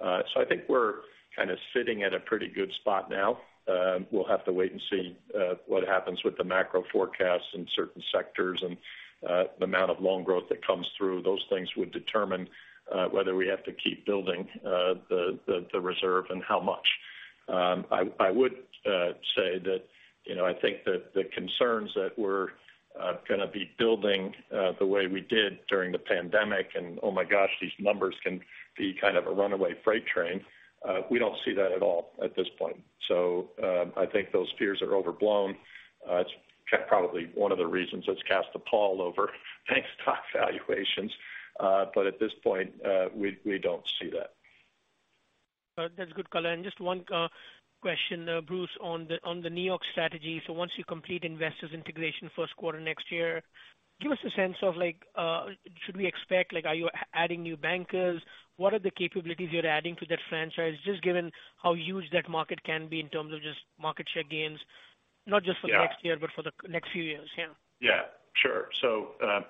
I think we're kind of sitting at a pretty good spot now. We'll have to wait and see what happens with the macro forecasts in certain sectors and the amount of loan growth that comes through. Those things would determine whether we have to keep building the reserve and how much. I would say that, you know, I think that the concerns that we're gonna be building the way we did during the pandemic and, oh my gosh, these numbers can be kind of a runaway freight train, we don't see that at all at this point. I think those fears are overblown. It's probably one of the reasons that's cast a pall over bank stock valuations. At this point, we don't see that. That's good color. Just one question, Bruce, on the New York strategy. Once you complete Investors integration first quarter next year, give us a sense of like, should we expect like are you adding new bankers? What are the capabilities you're adding to that franchise? Just given how huge that market can be in terms of just market share gains, not just for- Yeah. The next year, but for the next few years? Yeah. Yeah. Sure.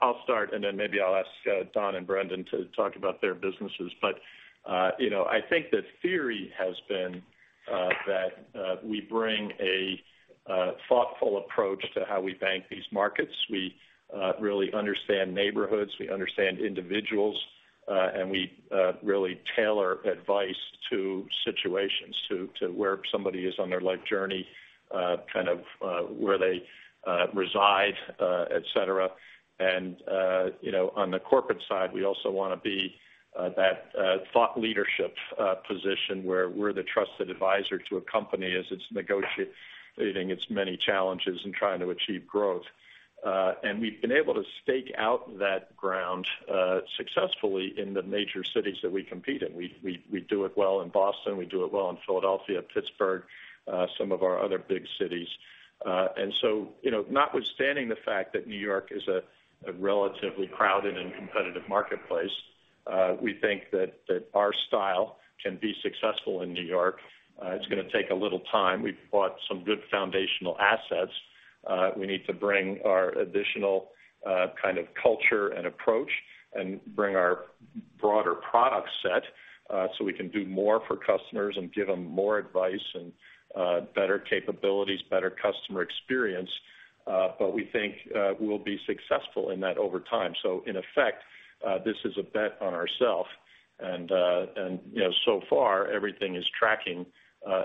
I'll start, and then maybe I'll ask Don and Brendan to talk about their businesses. You know, I think the theory has been that we bring a thoughtful approach to how we bank these markets. We really understand neighborhoods, we understand individuals, and we really tailor advice to situations to where somebody is on their life journey, kind of where they reside, et cetera. You know, on the corporate side, we also wanna be that thought leadership position where we're the trusted advisor to a company as it's negotiating its many challenges and trying to achieve growth. We've been able to stake out that ground successfully in the major cities that we compete in. We do it well in Boston. We do it well in Philadelphia, Pittsburgh, some of our other big cities. You know, notwithstanding the fact that New York is a relatively crowded and competitive marketplace, we think that our style can be successful in New York. It's gonna take a little time. We've bought some good foundational assets. We need to bring our additional kind of culture and approach and bring our broader product set, so we can do more for customers and give them more advice and better capabilities, better customer experience. We think we'll be successful in that over time. In effect, this is a bet on ourselves. You know, so far everything is tracking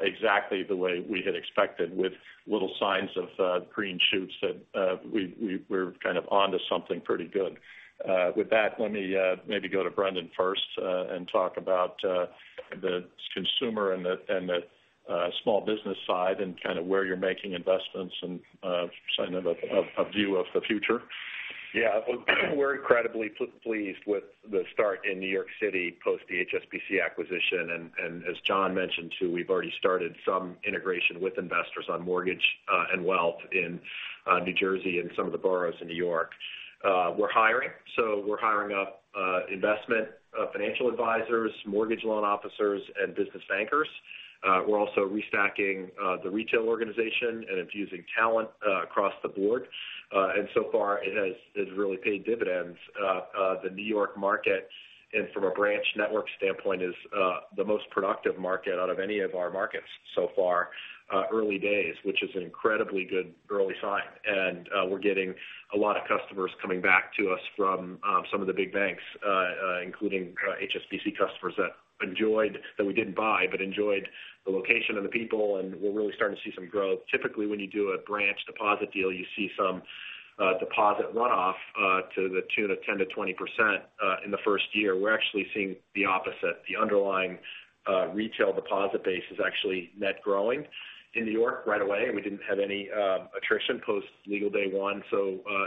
exactly the way we had expected with little signs of green shoots that we're kind of onto something pretty good. With that, let me maybe go to Brendan first and talk about the consumer and the small business side and kind of where you're making investments and sign of a view of the future. Yeah. We're incredibly pleased with the start in New York City post the HSBC acquisition. As John mentioned, too, we've already started some integration with Investors on mortgage and wealth in New Jersey and some of the boroughs in New York. We're hiring. We're hiring up investment financial advisors, mortgage loan officers, and business bankers. We're also restacking the retail organization and infusing talent across the board. So far it's really paid dividends. The New York market and from a branch network standpoint is the most productive market out of any of our markets so far. Early days, which is an incredibly good early sign. We're getting a lot of customers coming back to us from some of the big banks, including kind of HSBC customers that we didn't buy, but enjoyed the location and the people, and we're really starting to see some growth. Typically, when you do a branch deposit deal, you see some deposit runoff to the tune of 10%-20% in the first year. We're actually seeing the opposite. The underlying retail deposit base is actually net growing in New York right away, and we didn't have any attrition post legal day one.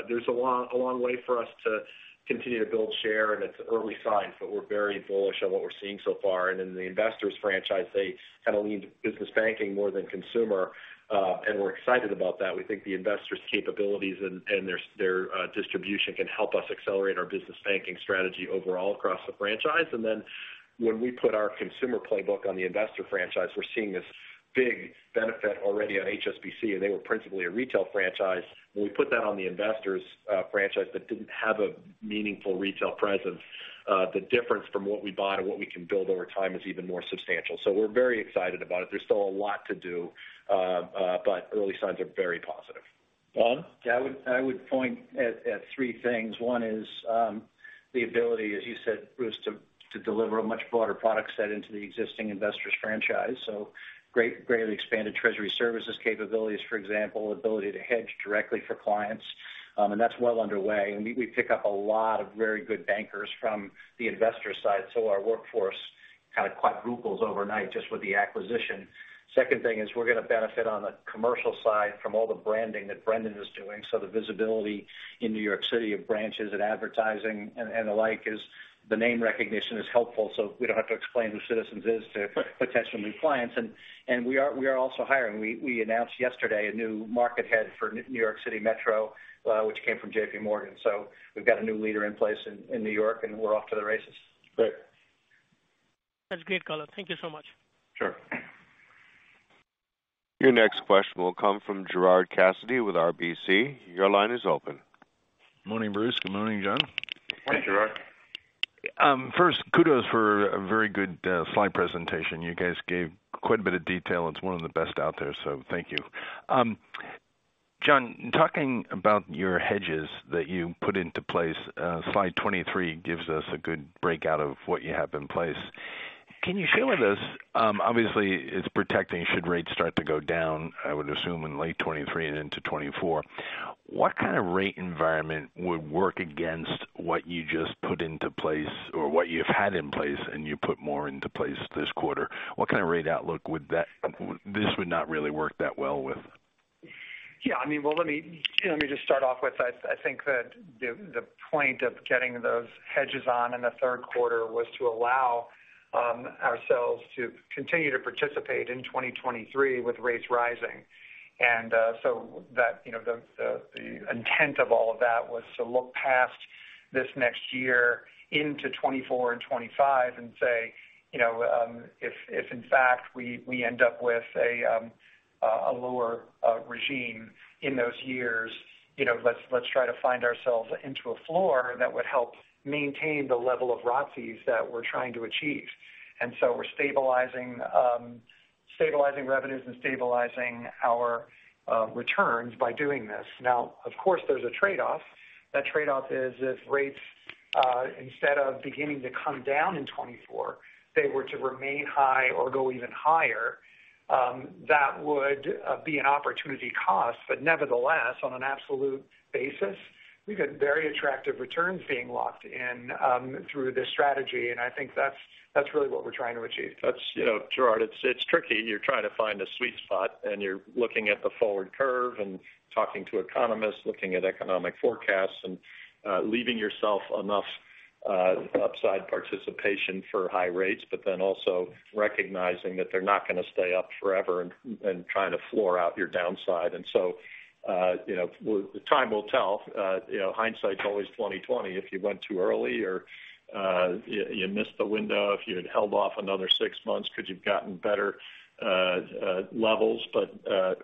There's a long way for us to continue to build share, and it's early signs, but we're very bullish on what we're seeing so far. In the Investors franchise, they kind of lean to business banking more than consumer. We're excited about that. We think the Investors capabilities and their distribution can help us accelerate our business banking strategy overall across the franchise. When we put our consumer playbook on the Investor franchise, we're seeing this big benefit already on HSBC, and they were principally a retail franchise. When we put that on the Investors franchise that didn't have a meaningful retail presence, the difference from what we bought and what we can build over time is even more substantial. We're very excited about it. There's still a lot to do. Early signs are very positive. John? Yeah, I would point at three things. One is the ability, as you said, Bruce, to deliver a much broader product set into the existing Investors franchise. Greatly expanded treasury services capabilities, for example, ability to hedge directly for clients, and that's well underway. We pick up a lot of very good bankers from the Investors side. Our workforce kind of quadruples overnight just with the acquisition. Second thing is we're gonna benefit on the commercial side from all the branding that Brendan is doing. The visibility in New York City of branches and advertising and the like is. The name recognition is helpful, so we don't have to explain who Citizens is to potential new clients. We are also hiring. We announced yesterday a new market head for New York City Metro, which came from JP Morgan. We've got a new leader in place in New York, and we're off to the races. Great. That's great color. Thank you so much. Sure. Your next question will come from Gerard Cassidy with RBC. Your line is open. Morning, Bruce. Good morning, John. Morning, Gerard. First kudos for a very good slide presentation. You guys gave quite a bit of detail. It's one of the best out there, so thank you. John, talking about your hedges that you put into place, slide 23 gives us a good breakout of what you have in place. Can you share with us, obviously it's protecting should rates start to go down, I would assume in late 2023 and into 2024. What kind of rate environment would work against what you just put into place or what you've had in place and you put more into place this quarter? What kind of rate outlook would this not really work that well with? Yeah, I mean, well, let me just start off with, I think that the point of getting those hedges on in the third quarter was to allow ourselves to continue to participate in 2023 with rates rising, so that, you know, the intent of all of that was to look past this next year into 2024 and 2025 and say, you know, if in fact we end up with a lower regime in those years, you know, let's try to find ourselves into a floor that would help maintain the level of ROTCEs that we're trying to achieve. We're stabilizing revenues and stabilizing our returns by doing this. Now, of course, there's a trade-off. That trade-off is if rates, instead of beginning to come down in 2024, if they were to remain high or go even higher, that would be an opportunity cost. But nevertheless, on an absolute basis, we've got very attractive returns being locked in through this strategy. I think that's really what we're trying to achieve. That's, you know, Gerard, it's tricky. You're trying to find a sweet spot, and you're looking at the forward curve and talking to economists, looking at economic forecasts, and leaving yourself enough upside participation for high rates, but then also recognizing that they're not gonna stay up forever and trying to floor out your downside. You know, time will tell. You know, hindsight's always 20/20. If you went too early or you missed the window, if you had held off another six months could you have gotten better levels.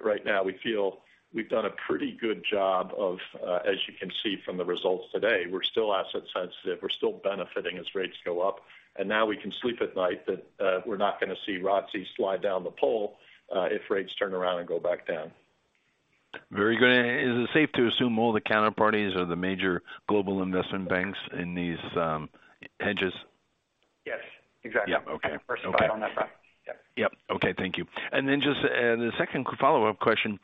Right now we feel we've done a pretty good job of, as you can see from the results today, we're still asset sensitive. We're still benefiting as rates go up, and now we can sleep at night that we're not gonna see ROTCE slide down the pole if rates turn around and go back down. Very good. Is it safe to assume all the counterparties are the major global investment banks in these, hedges? Yes. Exactly. Yeah. Okay. First spot on that front. Yeah. Yep. Okay. Thank you. Just the second follow-up question.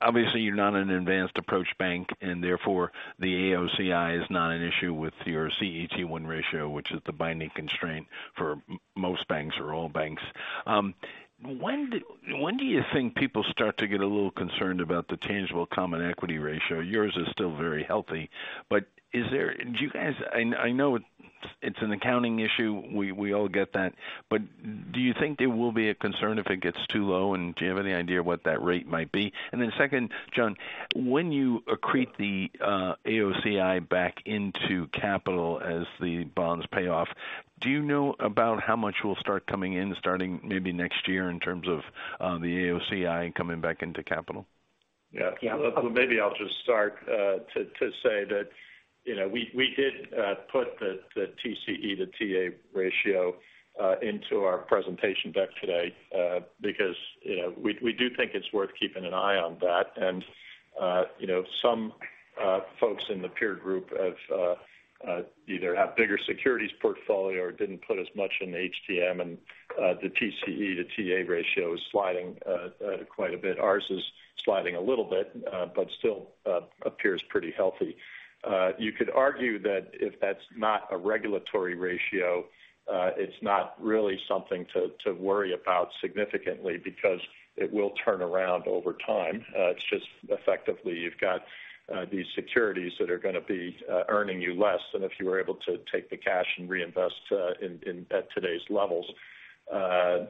Obviously you're not an advanced approach bank, and therefore the AOCI is not an issue with your CET1 ratio, which is the binding constraint for most banks or all banks. When do you think people start to get a little concerned about the tangible common equity ratio? Yours is still very healthy, but I know it's an accounting issue. We all get that. Do you think there will be a concern if it gets too low, and do you have any idea what that rate might be? Then second, John, when you accrete the AOCI back into capital as the bonds pay off, do you know about how much will start coming in starting maybe next year in terms of the AOCI coming back into capital? Yeah. Well, maybe I'll just start to say that, you know, we did put the TCE to TA ratio into our presentation deck today, because, you know, we do think it's worth keeping an eye on that. You know, some folks in the peer group have either bigger securities portfolio or didn't put as much in the HTM and the TCE to TA ratio is sliding quite a bit. Ours is sliding a little bit, but still appears pretty healthy. You could argue that if that's not a regulatory ratio, it's not really something to worry about significantly because it will turn around over time. It's just effectively you've got these securities that are gonna be earning you less than if you were able to take the cash and reinvest in at today's levels. Anyway,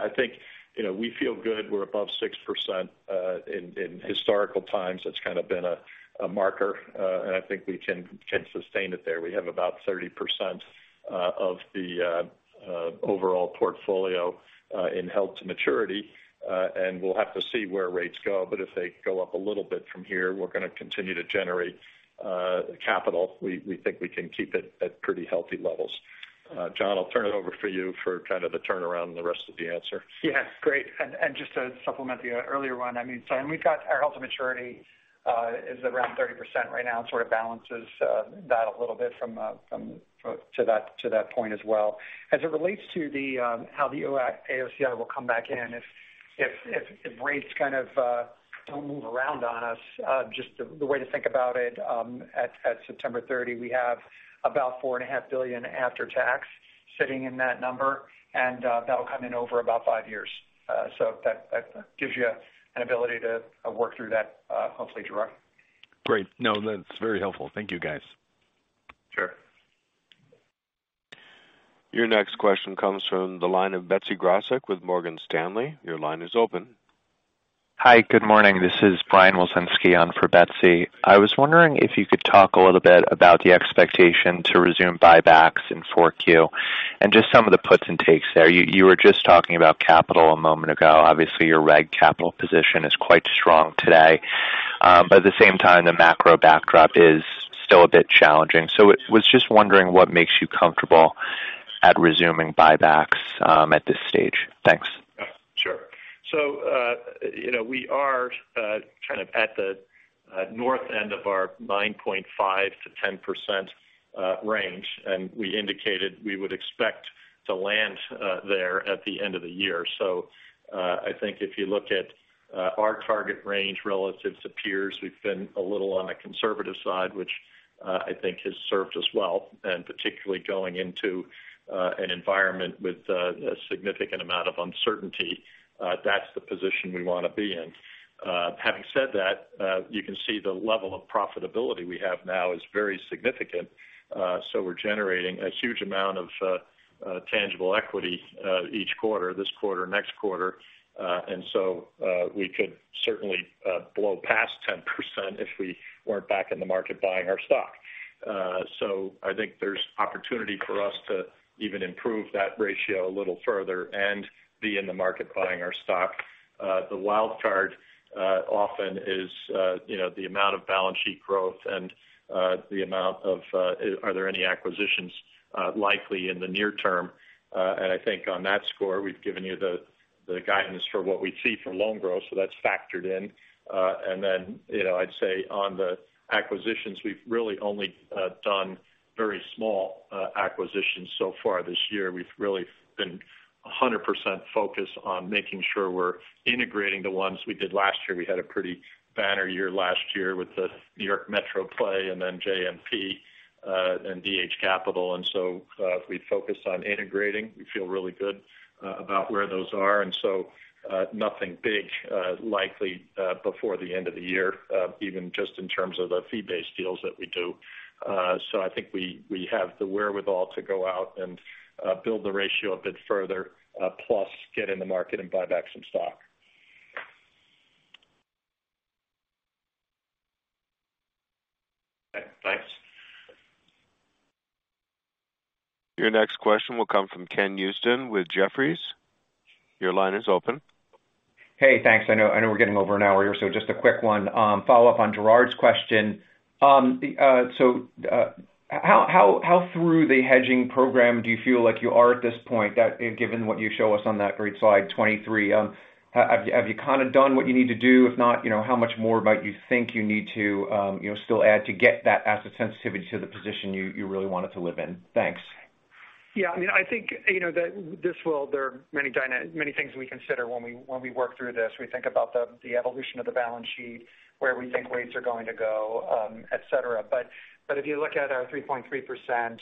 I think, you know, we feel good. We're above 6%. In historical times that's kind of been a marker. I think we can sustain it there. We have about 30% of the overall portfolio in held to maturity, and we'll have to see where rates go. If they go up a little bit from here, we're gonna continue to generate capital. We think we can keep it at pretty healthy levels. John, I'll turn it over for you for kind of the turnaround and the rest of the answer. Yes, great. Just to supplement the earlier one, I mean, we've got our held to maturity is around 30% right now and sort of balances that a little bit from to that point as well. As it relates to the how the AOCI will come back in, if rates kind of don't move around on us, just the way to think about it, at September 30, we have about $4.5 billion after tax sitting in that number, and that'll come in over about five years. That gives you an ability to work through that, hopefully, Gerard. Great. No, that's very helpful. Thank you, guys. Sure. Your next question comes from the line of Betsy Graseck with Morgan Stanley. Your line is open. Hi. Good morning. This is Brian Wilczynski on for Betsy. I was wondering if you could talk a little bit about the expectation to resume buybacks in 4Q and just some of the puts and takes there. You were just talking about capital a moment ago. Obviously, your reg capital position is quite strong today. But at the same time, the macro backdrop is still a bit challenging. I was just wondering what makes you comfortable at resuming buybacks at this stage. Thanks. Sure. You know, we are kind of at the north end of our 9.5%-10% range, and we indicated we would expect to land there at the end of the year. I think if you look at our target range relative to peers, we've been a little on the conservative side, which I think has served us well, and particularly going into an environment with a significant amount of uncertainty, that's the position we wanna be in. Having said that, you can see the level of profitability we have now is very significant, so we're generating a huge amount of tangible equity each quarter, this quarter, next quarter. We could certainly blow past 10% if we weren't back in the market buying our stock. I think there's opportunity for us to even improve that ratio a little further and be in the market buying our stock. The wildcard often is, you know, the amount of balance sheet growth and are there any acquisitions likely in the near term. I think on that score, we've given you the guidance for what we see for loan growth, so that's factored in. You know, I'd say on the acquisitions, we've really only done very small acquisitions so far this year. We've really been 100% focused on making sure we're integrating the ones we did last year. We had a pretty banner year last year with the New York Metro play and then JMP and DH Capital. We focused on integrating. We feel really good about where those are. Nothing big likely before the end of the year, even just in terms of the fee-based deals that we do. I think we have the wherewithal to go out and build the ratio a bit further, plus get in the market and buy back some stock. Okay. Thanks. Your next question will come from Ken Usdin with Jefferies. Your line is open. Hey, thanks. I know we're getting over an hour here, so just a quick one. Follow-up on Gerard's question. How through the hedging program do you feel like you are at this point, given what you show us on that great slide 23, have you kinda done what you need to do? If not, you know, how much more might you think you need to, you know, still add to get that asset sensitivity to the position you really want it to live in? Thanks. Yeah. I mean, I think, you know, there are many things we consider when we work through this. We think about the evolution of the balance sheet, where we think rates are going to go, et cetera. But if you look at our 3.3%,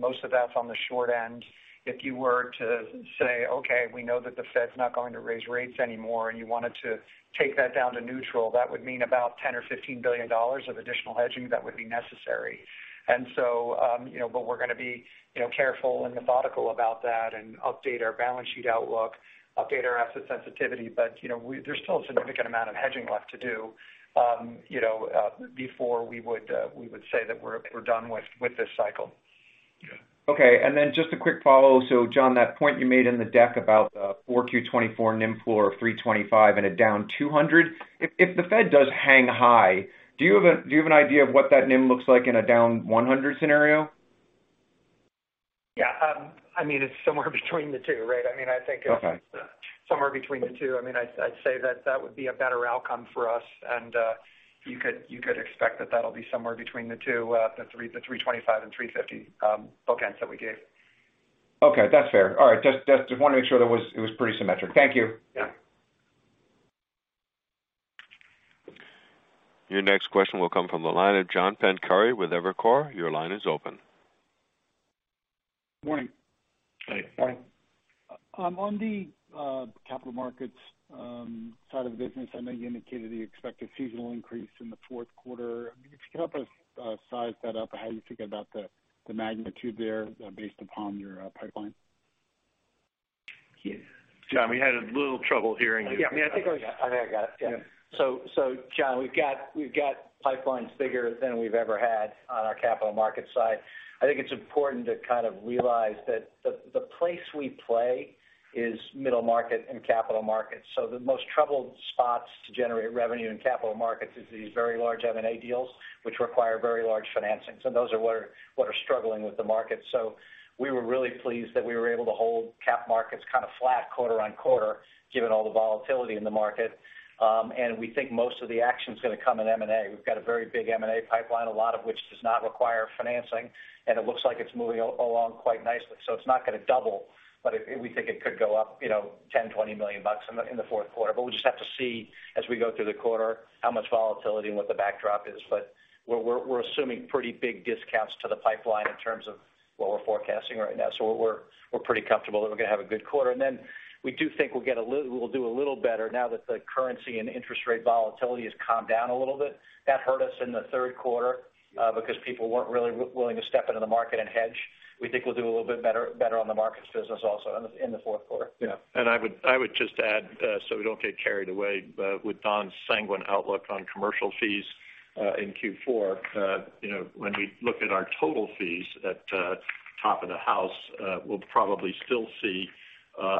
most of that's on the short end. If you were to say, "Okay, we know that the Fed's not going to raise rates anymore," and you wanted to take that down to neutral, that would mean about $10 billion or $15 billion of additional hedging that would be necessary. You know, but we're gonna be, you know, careful and methodical about that and update our balance sheet outlook, update our asset sensitivity. You know, there's still a significant amount of hedging left to do, you know, before we would say that we're done with this cycle. Yeah. Just a quick follow. John, that point you made in the deck about 4Q 2024 NIM floor of 3.25% and a down 200. If the Fed does hang high, do you have an idea of what that NIM looks like in a down 100 scenario? Yeah. I mean, it's somewhere between the two, right? I mean, I think it's Okay. Somewhere between the two. I mean, I'd say that would be a better outcome for us, and you could expect that that'll be somewhere between the two, the 3.25% and 3.50% bookends that we gave. Okay. That's fair. All right. Just wanted to make sure it was pretty symmetric. Thank you. Yeah. Your next question will come from the line of John Pancari with Evercore. Your line is open. Morning. Hey. Hi. On the capital markets side of the business, I know you indicated you expect a seasonal increase in the fourth quarter. I mean, if you could help us size that up or how you think about the magnitude there, based upon your pipeline? Yeah. John, we had a little trouble hearing you. Yeah. I mean, I think I got it. Yeah. John, we've got pipelines bigger than we've ever had on our capital markets side. I think it's important to kind of realize that the place we play. Is middle market and capital markets. The most troubled spots to generate revenue in capital markets is these very large M&A deals which require very large financings, and those are what are struggling with the market. We were really pleased that we were able to hold cap markets kind of flat quarter-over-quarter given all the volatility in the market. We think most of the action's gonna come in M&A. We've got a very big M&A pipeline, a lot of which does not require financing, and it looks like it's moving along quite nicely. It's not gonna double, but we think it could go up, you know, $10-$20 million in the fourth quarter. We just have to see as we go through the quarter how much volatility and what the backdrop is. We're assuming pretty big discounts to the pipeline in terms of what we're forecasting right now. We're pretty comfortable that we're gonna have a good quarter. We do think we'll do a little better now that the currency and interest rate volatility has calmed down a little bit. That hurt us in the third quarter, because people weren't really willing to step into the market and hedge. We think we'll do a little bit better on the markets business also in the fourth quarter. Yeah. I would just add, so we don't get carried away with Don's sanguine outlook on commercial fees in Q4. You know, when we look at our total fees at the top of the house, we'll probably still see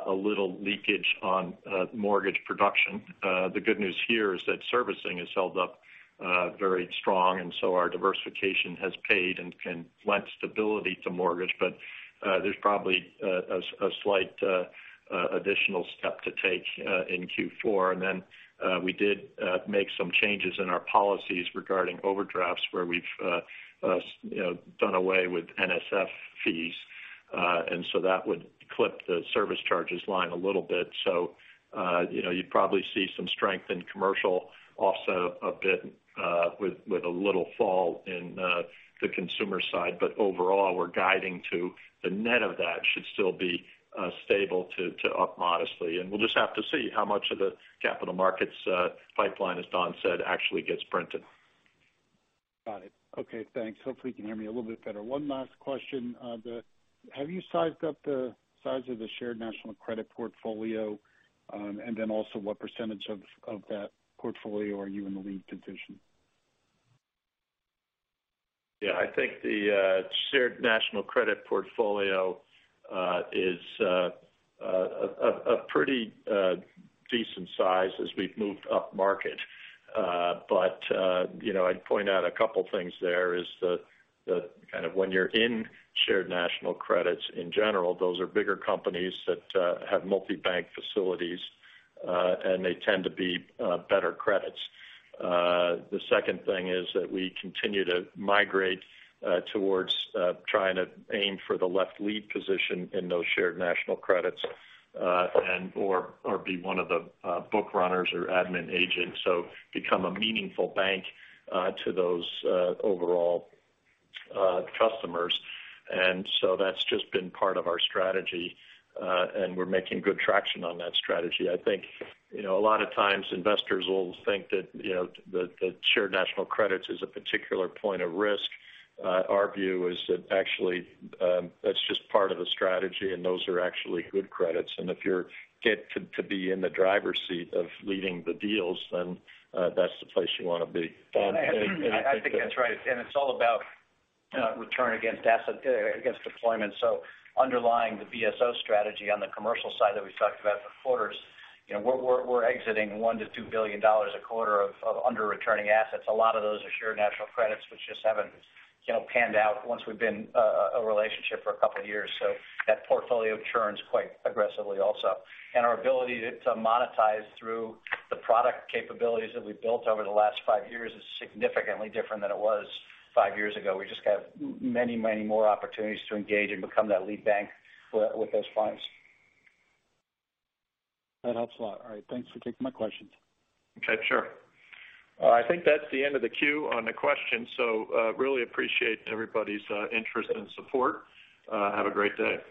a little leakage on mortgage production. The good news here is that servicing has held up very strong, and so our diversification has paid and can lend stability to mortgage. But there's probably a slight additional step to take in Q4. We did make some changes in our policies regarding overdrafts, where we've you know done away with NSF fees. That would clip the service charges line a little bit. you know, you'd probably see some strength in commercial, also a bit, with a little fall in the consumer side. Overall, we're guiding to the net of that should still be stable to up modestly. We'll just have to see how much of the capital markets pipeline, as Don said, actually gets printed. Got it. Okay, thanks. Hopefully you can hear me a little bit better. One last question. Have you sized up the size of the shared national credit portfolio? And then also what percentage of that portfolio are you in the lead position? Yeah. I think the Shared National Credit portfolio is a pretty decent size as we've moved upmarket. You know, I'd point out a couple things. There is that kind of when you're in shared national credits in general, those are bigger companies that have multi-bank facilities and they tend to be better credits. The second thing is that we continue to migrate towards trying to aim for the lead-left position in those shared national credits, and/or be one of the book runners or admin agents, so become a meaningful bank to those overall customers. That's just been part of our strategy, and we're making good traction on that strategy. I think, you know, a lot of times investors will think that, you know, that Shared National Credits is a particular point of risk. Our view is that actually, that's just part of the strategy, and those are actually good credits. If you get to be in the driver's seat of leading the deals, then that's the place you wanna be. I think that's right. It's all about return against asset against deployment. Underlying the BSO strategy on the commercial side that we've talked about for quarters, we're exiting $1 billion-$2 billion a quarter of under returning assets. A lot of those are shared national credits which just haven't panned out once we've been a relationship for a couple of years. That portfolio churns quite aggressively also. Our ability to monetize through the product capabilities that we've built over the last five years is significantly different than it was five years ago. We just have many, many more opportunities to engage and become that lead bank with those clients. That helps a lot. All right. Thanks for taking my questions. Okay, sure. I think that's the end of the queue on the questions. Really appreciate everybody's interest and support. Have a great day.